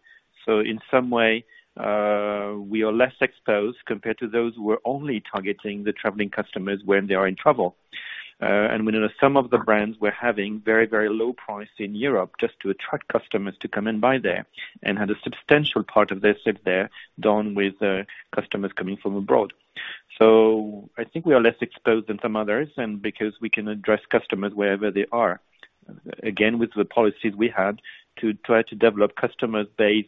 In some way we are less exposed compared to those who are only targeting the traveling customers when they are in travel. We know some of the brands were having very low price in Europe just to attract customers to come and buy there and had a substantial part of their sales there done with customers coming from abroad. I think we are less exposed than some others and because we can address customers wherever they are. With the policies we had to try to develop customer base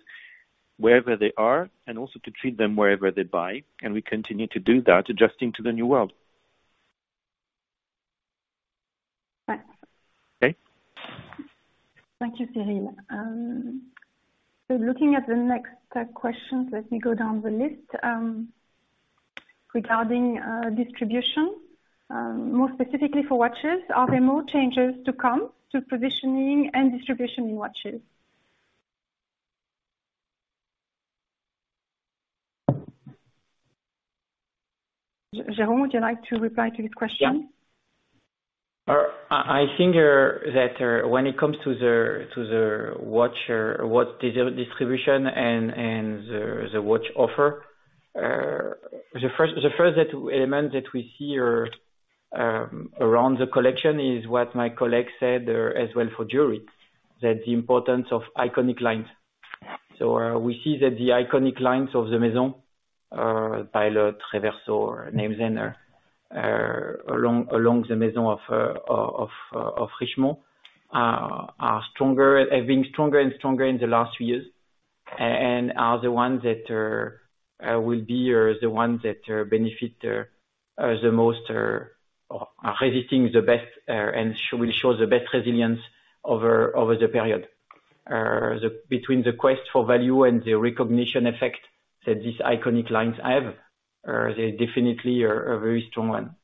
wherever they are and also to treat them wherever they buy, and we continue to do that, adjusting to the new world. Thanks. Okay. Thank you, Cyrille. Looking at the next questions, let me go down the list. Regarding distribution, more specifically for watches, are there more changes to come to positioning and distribution in watches? Jérôme, would you like to reply to this question? I think that when it comes to the watch distribution and the watch offer, the first element that we see around the collection is what my colleague said as well for jewelry, that the importance of iconic lines. We see that the iconic lines of the Maison, Pilot, Reverso, named Zenith, along the Maison of Richemont have been stronger and stronger in the last few years, and are the ones that will be, or the ones that benefit the most, are resisting the best and will show the best resilience over the period. Between the quest for value and the recognition effect that these iconic lines have, they definitely are a very strong one.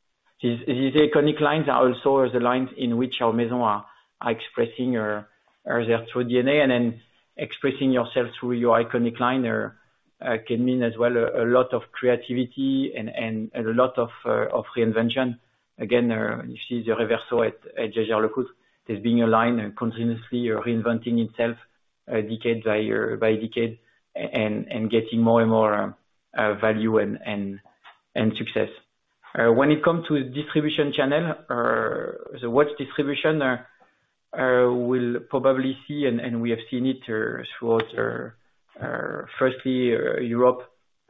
These iconic lines are also the lines in which our Maison are expressing their true DNA. Expressing yourself through your iconic line can mean as well a lot of creativity and a lot of reinvention. Again, you see the Reverso at Jaeger-LeCoultre that's being aligned and continuously reinventing itself decade by decade and getting more and more value and success. When it comes to distribution channel, the watch distribution, we'll probably see, and we have seen it throughout firstly Europe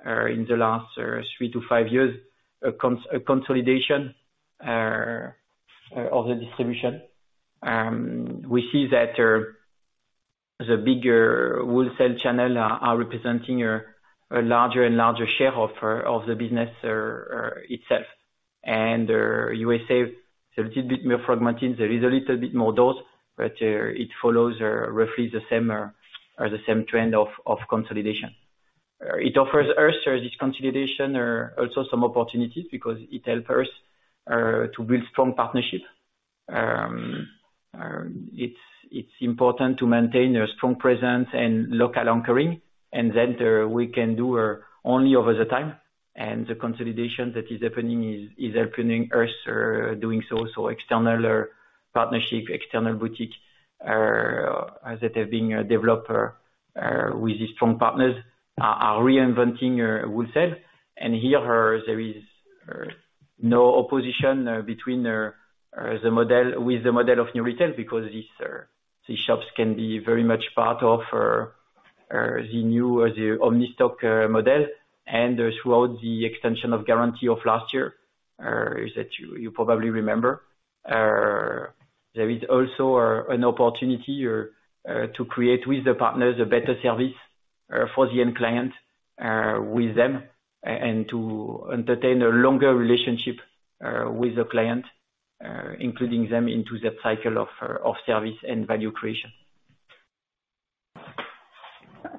in the last three to five years, a consolidation of the distribution. We see that the bigger wholesale channel are representing a larger and larger share of the business itself. U.S. is a little bit more fragmented. There is a little bit more doors. It follows roughly the same trend of consolidation. It offers us this consolidation also some opportunities because it helps us to build strong partnership. It's important to maintain a strong presence and local anchoring, and that we can do only over the time. The consolidation that is happening is helping us doing so. External partnership, external boutique, as it have been developed with these strong partners, are reinventing wholesale. Here, there is no opposition with the model of New Retail because these shops can be very much part of the new omnistock model. Throughout the extension of guarantee of last year, that you probably remember, there is also an opportunity to create with the partners a better service for the end client with them, and to entertain a longer relationship with the client, including them into the cycle of service and value creation.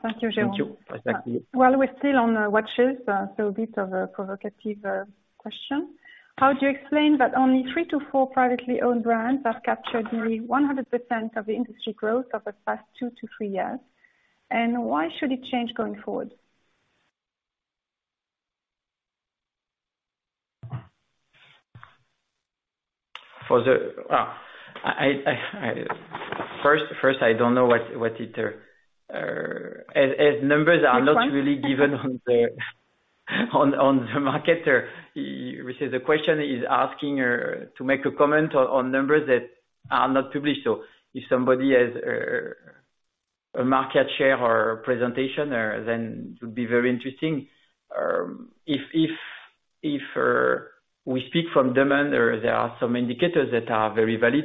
Thank you, Jérôme. Thank you. While we're still on watches, a bit of a provocative question. How do you explain that only three to four privately owned brands have captured the 100% of the industry growth over the past two to three years? Why should it change going forward? I don't know what it As numbers are not really given on the market. The question is asking to make a comment on numbers that are not published. If somebody has a market share or presentation, then it would be very interesting. If we speak from demand, there are some indicators that are very valid,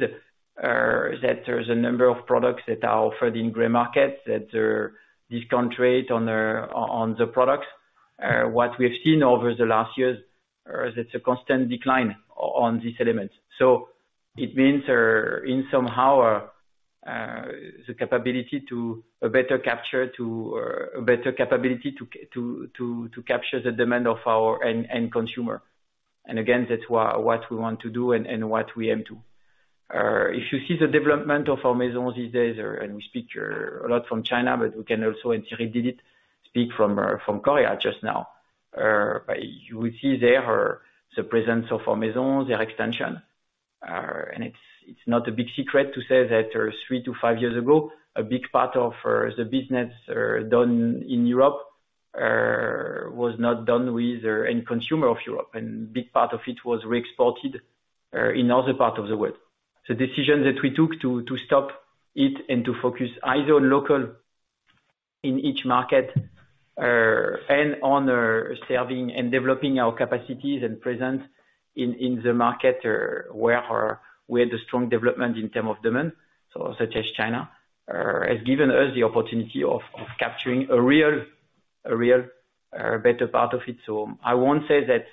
that there's a number of products that are offered in gray markets that discount rate on the products. What we have seen over the last years, that's a constant decline on these elements. It means in somehow, a better capability to capture the demand of our end consumer. Again, that's what we want to do and what we aim to. If you see the development of our Maison these days, and we speak a lot from China, but we can also, and Cyrille did it, speak from Korea just now. You will see there the presence of our Maison, their extension. It's not a big secret to say that three to five years ago, a big part of the business done in Europe was not done with end consumer of Europe, and big part of it was re-exported in other parts of the world. The decision that we took to stop it and to focus either on local in each market and on serving and developing our capacities and presence in the market where the strong development in terms of demand, such as China, has given us the opportunity of capturing a real better part of it. I won't say that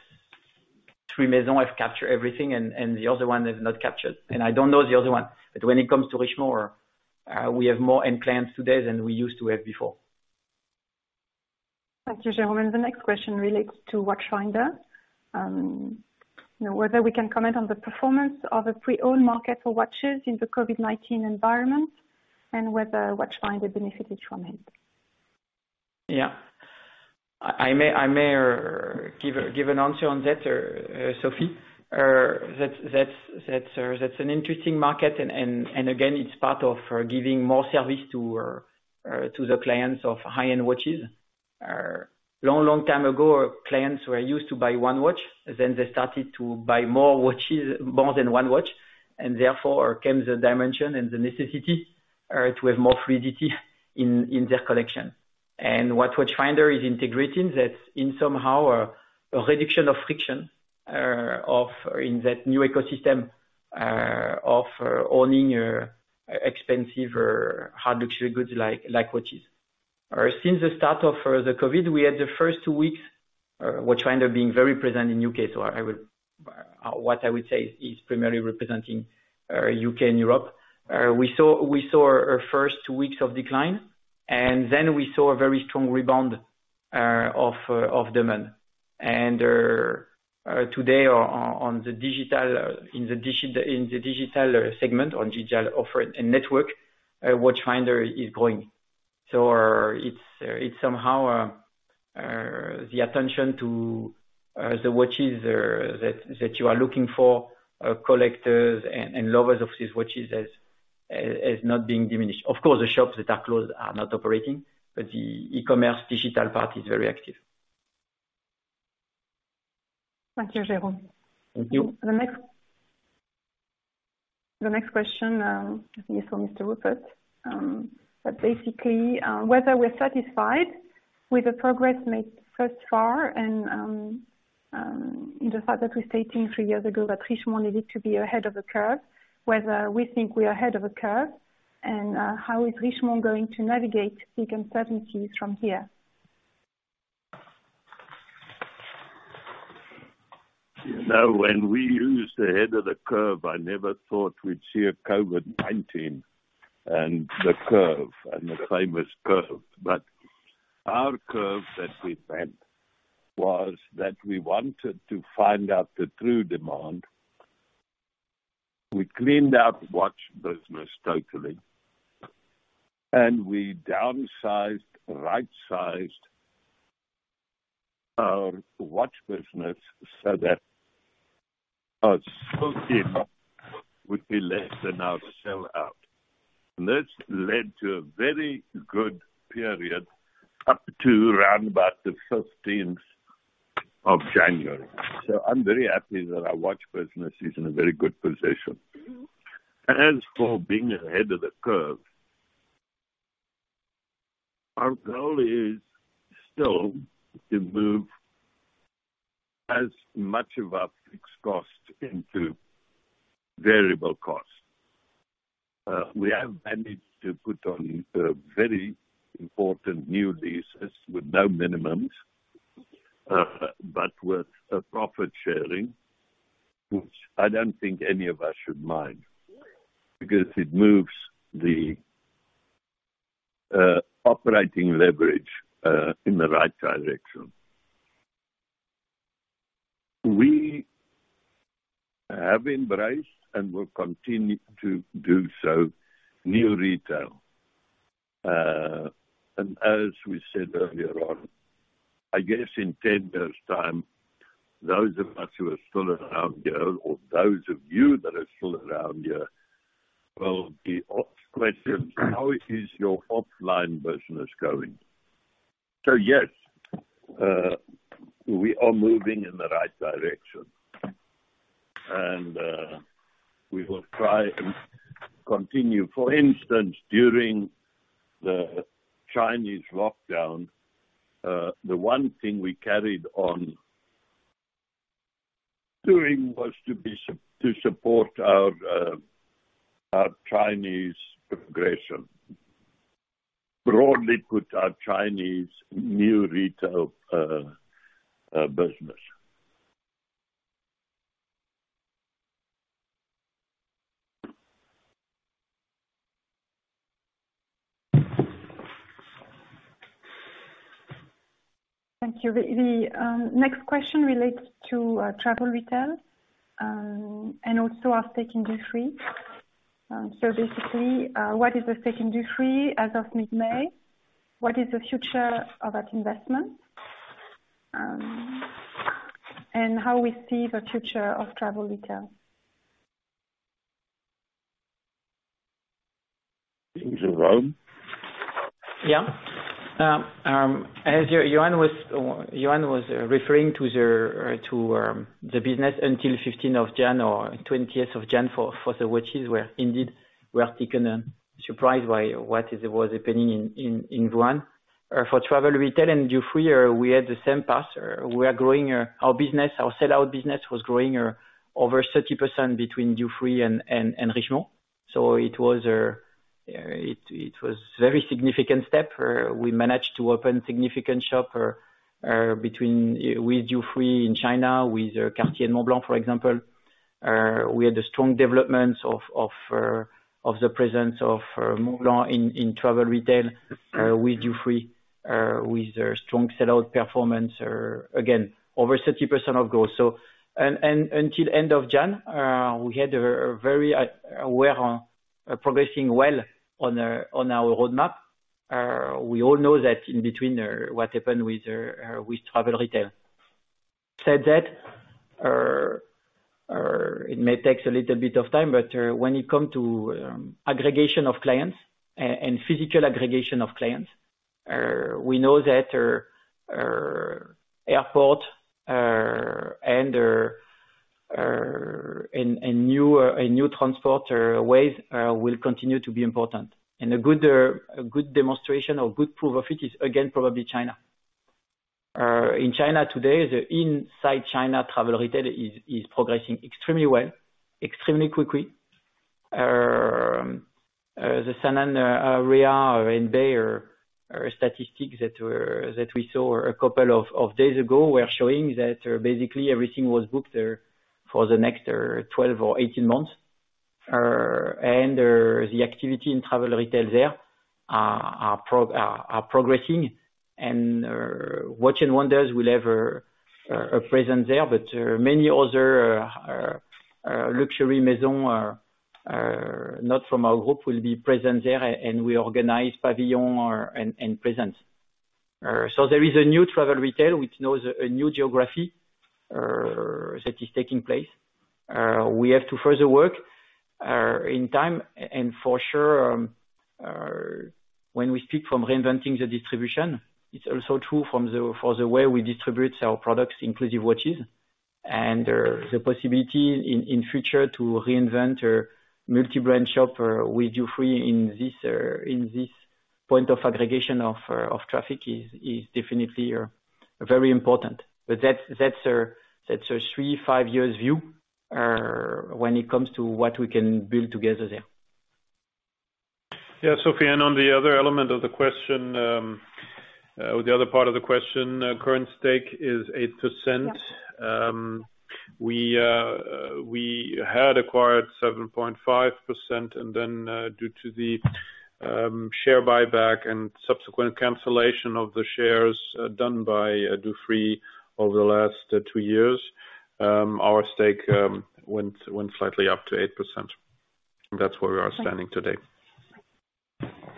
three Maison have captured everything and the other one have not captured. I don't know the other one, but when it comes to Richemont, we have more end clients today than we used to have before. Thank you, Jérôme. The next question relates to Watchfinder. Whether we can comment on the performance of a pre-owned market for watches in the COVID-19 environment and whether Watchfinder benefited from it. Yeah. I may give an answer on that, Sophie. That's an interesting market, and again, it's part of giving more service to the clients of high-end watches. Long, long time ago, clients were used to buy one watch, then they started to buy more than one watch, and therefore came the dimension and the necessity to have more fluidity in their collection. What Watchfinder is integrating, that's in somehow a reduction of friction in that new ecosystem of owning expensive or luxury goods like watches. Since the start of the COVID-19, we had the first two weeks, Watchfinder being very present in U.K. What I would say is primarily representing U.K. and Europe. We saw our first two weeks of decline, and then we saw a very strong rebound of demand. Today, in the digital segment on digital offer and network, Watchfinder is growing. It's somehow the attention to the watches that you are looking for, collectors and lovers of these watches as not being diminished. Of course, the shops that are closed are not operating, but the e-commerce digital part is very active. Thank you, Jérôme. Thank you. The next question, I think it's for Mr. Rupert. Basically, whether we're satisfied with the progress made thus far and the fact that we stated three years ago that Richemont needed to be ahead of the curve, whether we think we are ahead of the curve, and how is Richemont going to navigate peak uncertainties from here? When we used ahead of the curve, I never thought we'd see a COVID-19 and the curve and the famous curve. Our curve that we bent was that we wanted to find out the true demand. We cleaned up watch business totally, we downsized, right-sized our watch business so that our stock level would be less than our sellout. That's led to a very good period up to around about the 15th of January. I'm very happy that our watch business is in a very good position. As for being ahead of the curve, our goal is still to move as much of our fixed cost into variable costs. We have managed to put on a very important new leases with no minimums, but with a profit sharing, which I don't think any of us should mind because it moves the operating leverage in the right direction. We have embraced and will continue to do so, New Retail. As we said earlier on, I guess in 10 years' time, those of us who are still around here or those of you that are still around here will be asked questions, how is your offline business going? Yes, we are moving in the right direction. We will try and continue. For instance, during the Chinese lockdown, the one thing we carried on doing was to support our Chinese progression. Broadly put our Chinese New Retail business. Thank you. The next question relates to travel retail, also our stake in Dufry. Basically, what is the stake in Dufry as of mid-May? What is the future of that investment? How we see the future of travel retail. Jerome? As Johann was referring to the business until 15th of January or 20th of January for the watches where indeed we are taken surprised by what was happening in Wuhan. For travel retail and Dufry, we had the same path. We are growing our business. Our sellout business was growing over 30% between Dufry and Richemont. It was very significant step. We managed to open significant shop with Dufry in China, with Cartier Montblanc, for example. We had a strong development of the presence of Montblanc in travel retail, with Dufry with a strong sellout performance, again, over 30% of growth. Until end of January, we are progressing well on our roadmap. We all know that in between what happened with travel retail. Said that, it may take a little bit of time, but when it come to aggregation of clients and physical aggregation of clients, we know that airport and a new transport ways will continue to be important. A good demonstration or good proof of it is, again, probably China. In China today, the inside China travel retail is progressing extremely well, extremely quickly. The inaudible area or in there statistics that we saw a couple of days ago were showing that basically everything was booked for the next 12 or 18 months. The activity in travel retail there is progressing and Watches and Wonders will have a presence there. Many other luxury maison are not from our group will be present there, and we organize pavilion and presence. There is a new travel retail, which shows a new geography that is taking place. We have to further work in time. For sure, when we speak from reinventing the distribution, it's also true for the way we distribute our products, inclusive watches. The possibility in future to reinvent a multi-brand shop or with Dufry in this point of aggregation of traffic is definitely very important. That's a three, five years view when it comes to what we can build together there. Yeah, Sophie, on the other element of the question, the other part of the question, current stake is 8%. Yeah. We had acquired 7.5%, and then due to the share buyback and subsequent cancellation of the shares done by Dufry over the last two years, our stake went slightly up to 8%. That's where we are standing today.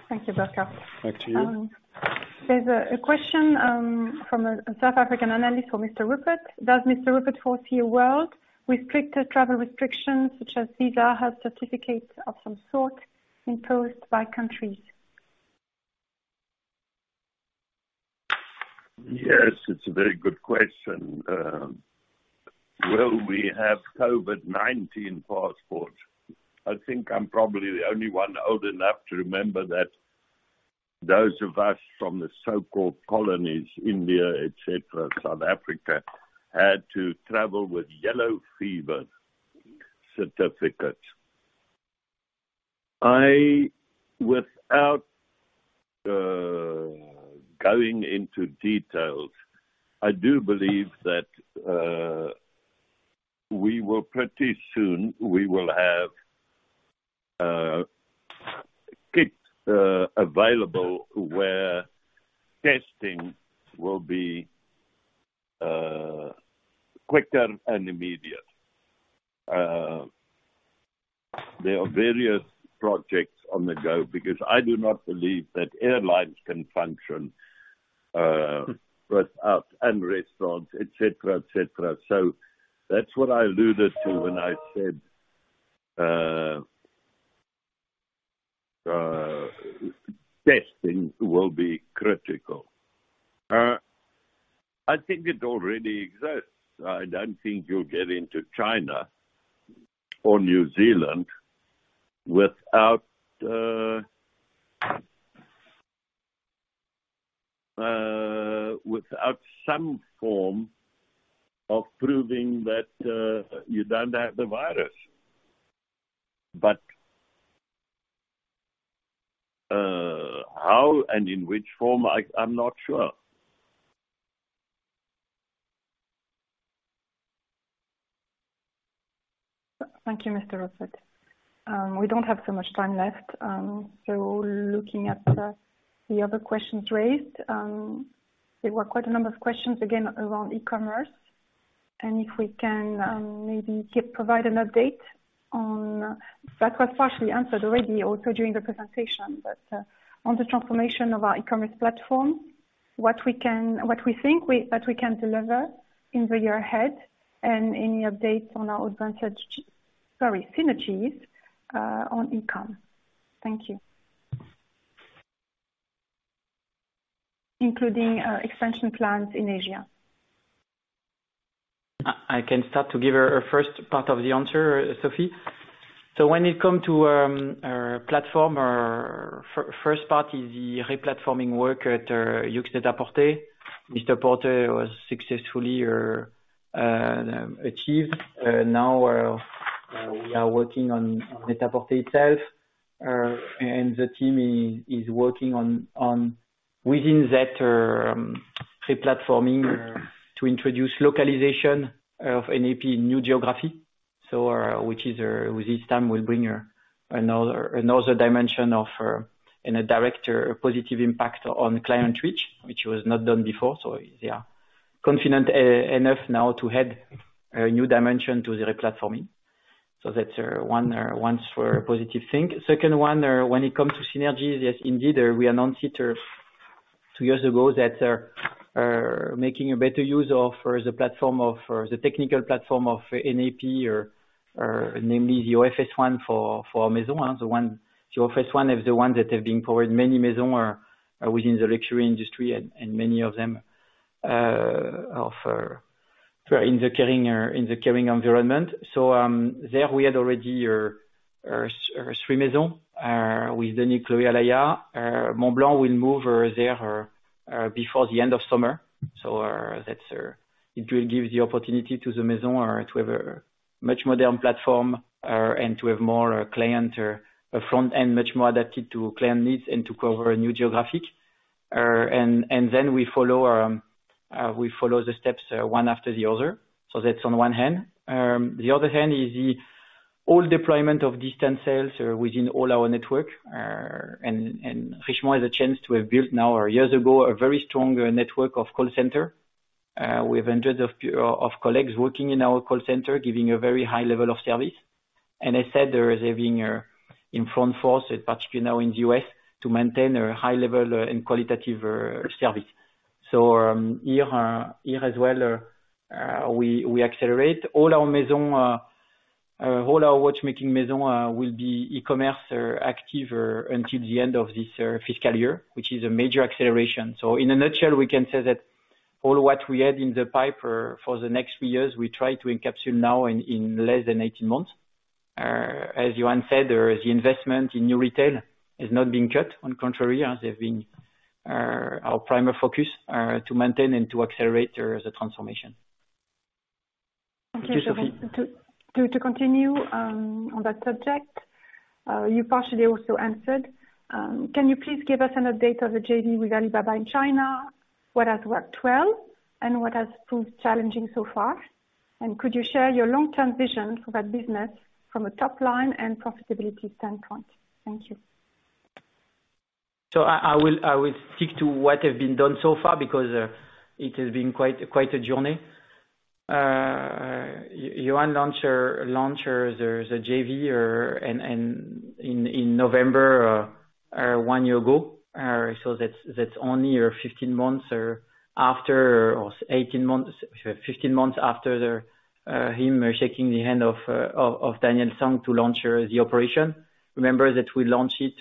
Thank you, Burkhart. Back to you. There's a question from a South African analyst for Mr. Rupert: Does Mr. Rupert foresee a world with stricter travel restrictions such as visa health certificates of some sort imposed by countries? Yes, it's a very good question. Will we have COVID-19 passport? I think I'm probably the only one old enough to remember that those of us from the so-called colonies, India, et cetera, South Africa, had to travel with yellow fever certificates. Without going into details, I do believe that we will pretty soon, we will have kits available where testing will be quicker and immediate. There are various projects on the go because I do not believe that airlines can function without and restaurants, et cetera. That's what I alluded to when I said testing will be critical. I think it already exists. I don't think you'll get into China or New Zealand without some form of proving that you don't have the virus. How and in which form, I'm not sure. Thank you, Mr. Rupert. We don't have so much time left. Looking at the other questions raised, there were quite a number of questions, again, around e-commerce, and if we can maybe get provided an update on That was partially answered already also during the presentation, but on the transformation of our e-commerce platform, what we think that we can deliver in the year ahead and any updates on our synergies on e-com. Thank you. Including expansion plans in Asia. I can start to give a first part of the answer, Sophie. When it come to our platform, our first part is the re-platforming work at YOOX NET-A-PORTER. MR PORTER was successfully achieved. Now we are working on NET-A-PORTER itself, and the team is working within that re-platforming to introduce localization of NAP new geography, so which this time will bring another dimension of, and a direct positive impact on the client reach, which was not done before. Yeah. Confident enough now to head a new dimension to the re-platforming. That's one for a positive thing. Second one, when it comes to synergies, yes, indeed, we announced it two years ago that making a better use of the technical platform of NAP, or namely the OFS one for Maison, the OFS one is the one that have been powered many Maisons are within the luxury industry and many of them are in the Kering environment. There we had already three Maison with the new Chloé and Alaïa. Montblanc will move there before the end of summer. It will give the opportunity to the Maison to have a much modern platform, and to have more client front and much more adapted to client needs and to cover a new geographic. We follow the steps one after the other. That's on one hand. The other hand is the overall deployment of distance sales within all our network. Richemont has a chance to have built now or years ago, a very strong network of call center, with hundreds of colleagues working in our call center giving a very high level of service. I said they're being a front force, particularly now in the U.S., to maintain a high level and qualitative service. Here as well, we accelerate all our Maison, all our watchmaking Maison will be e-commerce active until the end of this fiscal year, which is a major acceleration. In a nutshell, we can say that all what we had in the pipe for the next few years, we try to encapsule now in less than 18 months. As Johann said, the investment in New Retail is not being cut. On contrary, they've been our primary focus, to maintain and to accelerate the transformation. Okay, Jérôme, to continue on that subject, you partially also answered. Can you please give us an update of the JV with Alibaba in China? What has worked well and what has proved challenging so far? Could you share your long-term vision for that business from a top line and profitability standpoint? Thank you. I will stick to what has been done so far because it has been quite a journey. Johann launched the JV in November, one year ago. That's only 15 months after him shaking the hand of Daniel Zhang to launch the operation. Remember that we launched it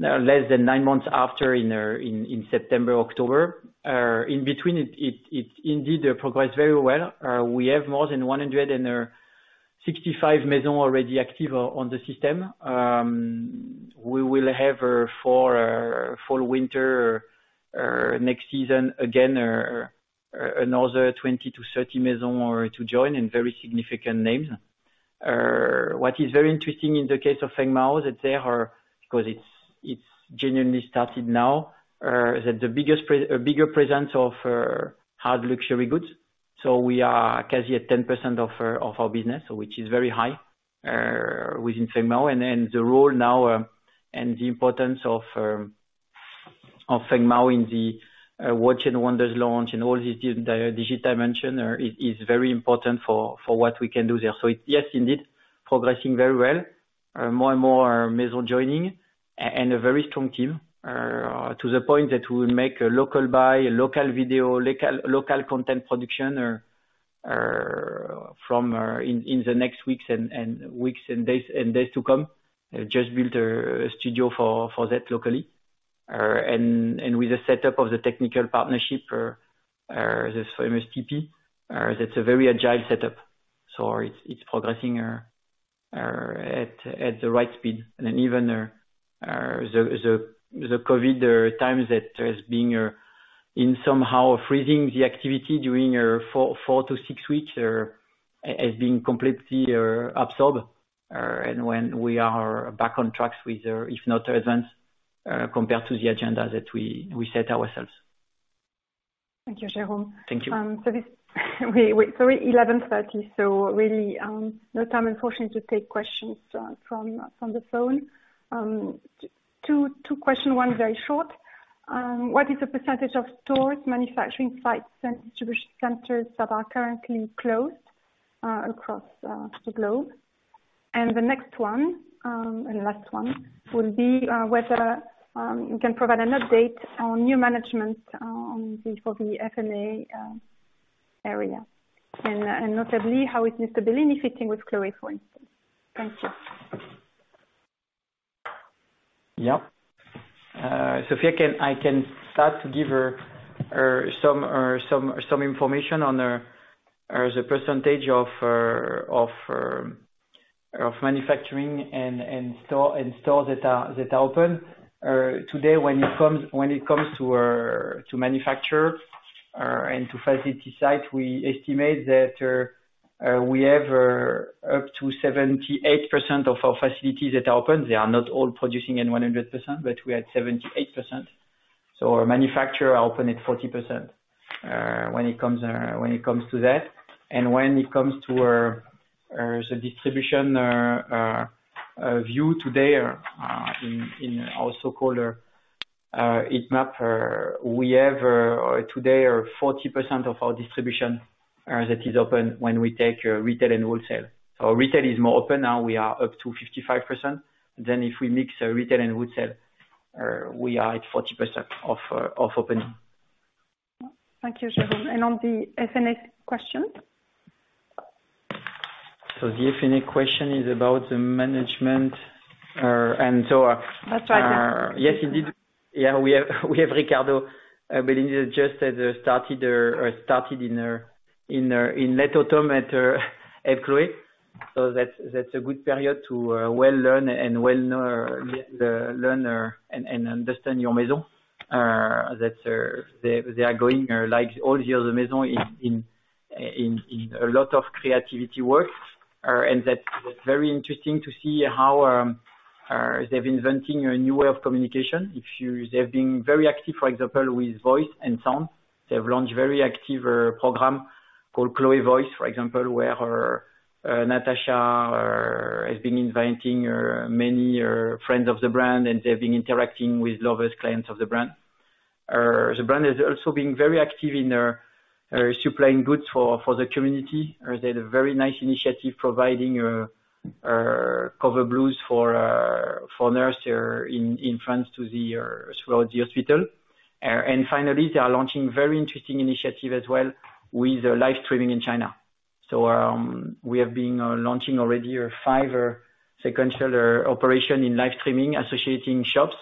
less than nine months after in September, October. In between, it indeed progressed very well. We have more than 165 Maison already active on the system. We will have for winter, next season, again, another 20 to 30 Maison to join and very significant names. What is very interesting in the case of Fengmao that there, because it's genuinely started now, that the bigger presence of hard luxury goods. We are quasi at 10% of our business, which is very high within Fengmao. The role now and the importance of Fengmao in the Watches and Wonders launch and all this digital dimension is very important for what we can do there. Yes, indeed, progressing very well. More and more Maison joining and a very strong team, to the point that we will make a local buy, a local video, local content production in the next weeks and days to come. Just built a studio for that locally. With the setup of the technical partnership for MSTP, that's a very agile setup. It's progressing at the right speed. Even the COVID times that has been in somehow freezing the activity during four to six weeks, has been completely absorbed. When we are back on tracks with, if not advance, compared to the agenda that we set ourselves. Thank you, Jérôme. Thank you. It's 11:30, so really, no time unfortunately, to take questions from the phone. Two question, one very short. What is the percentage of stores, manufacturing sites, and distribution centers that are currently closed across the globe? The next one, and last one, will be whether you can provide an update on new management for the F&A area and notably, how is Mr. Bellini fitting with Chloé, for instance? Thank you. Yeah. Sophie, I can start to give some information on the percentage of manufacturing and stores that are open. Today, when it comes to manufacture and to facility sites, we estimate that we have up to 78% of our facilities that are open. They are not all producing in 100%, but we are at 78%. Our manufacturer are open at 40% when it comes to that. When it comes to the distribution view today in our so-called heat map, we have today 40% of our distribution that is open when we take retail and wholesale. Retail is more open now, we are up to 55%. If we mix retail and wholesale, we are at 40% of opening. Thank you, Jérôme. On the F&A question? The F&A question is about the management. That's right. Yes, indeed. We have Riccardo, but he just started in at Chloé. That's a good period to well learn and understand your maison. They are going, like all the other maison, in a lot of creativity works. That was very interesting to see how they're inventing a new way of communication. They've been very active, for example, with voice and sound. They have launched very active program called Chloé Voices, for example, where Natacha has been inviting many friends of the brand, and they've been interacting with lovers, clients of the brand. The brand has also been very active in supplying goods for the community. They had a very nice initiative providing [coveralls] for nurse in France throughout the hospital. Finally, they are launching very interesting initiative as well with live streaming in China. We have been launching already five sequential operation in live streaming, associating shops,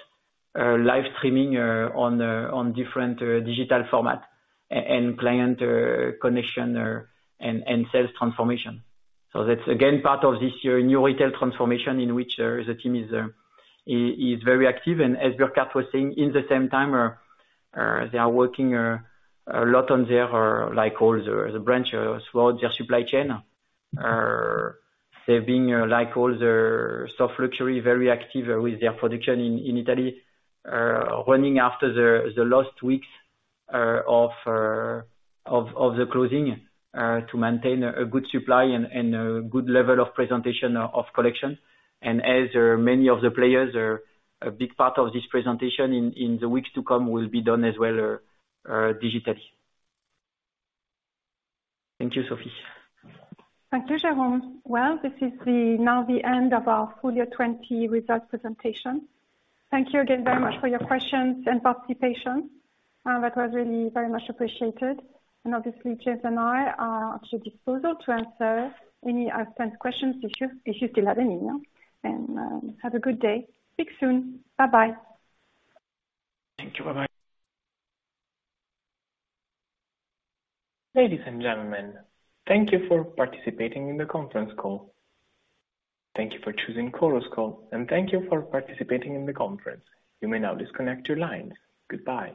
live streaming on different digital format and client connection and sales transformation. That's again, part of this year New Retail transformation in which the team is very active. As Burkhart was saying, in the same time, they are working a lot on their, like all the brands throughout their supply chain. They're being, like all the soft luxury, very active with their production in Italy, running after the last weeks of the closing, to maintain a good supply and a good level of presentation of collection. As many of the players are, a big part of this presentation, in the weeks to come will be done as well digitally. Thank you, Sophie. Thank you, Jérôme. Well, this is now the end of our full year 2020 result presentation. Thank you again very much for your questions and participation. That was really very much appreciated. Obviously, Jess and I are at your disposal to answer any outstanding questions if you still have any. Have a good day. Speak soon. Bye-bye. Thank you. Bye-bye. Ladies and gentlemen, thank you for participating in the conference call. Thank you for choosing Chorus Call, and thank you for participating in the conference. You may now disconnect your lines. Goodbye.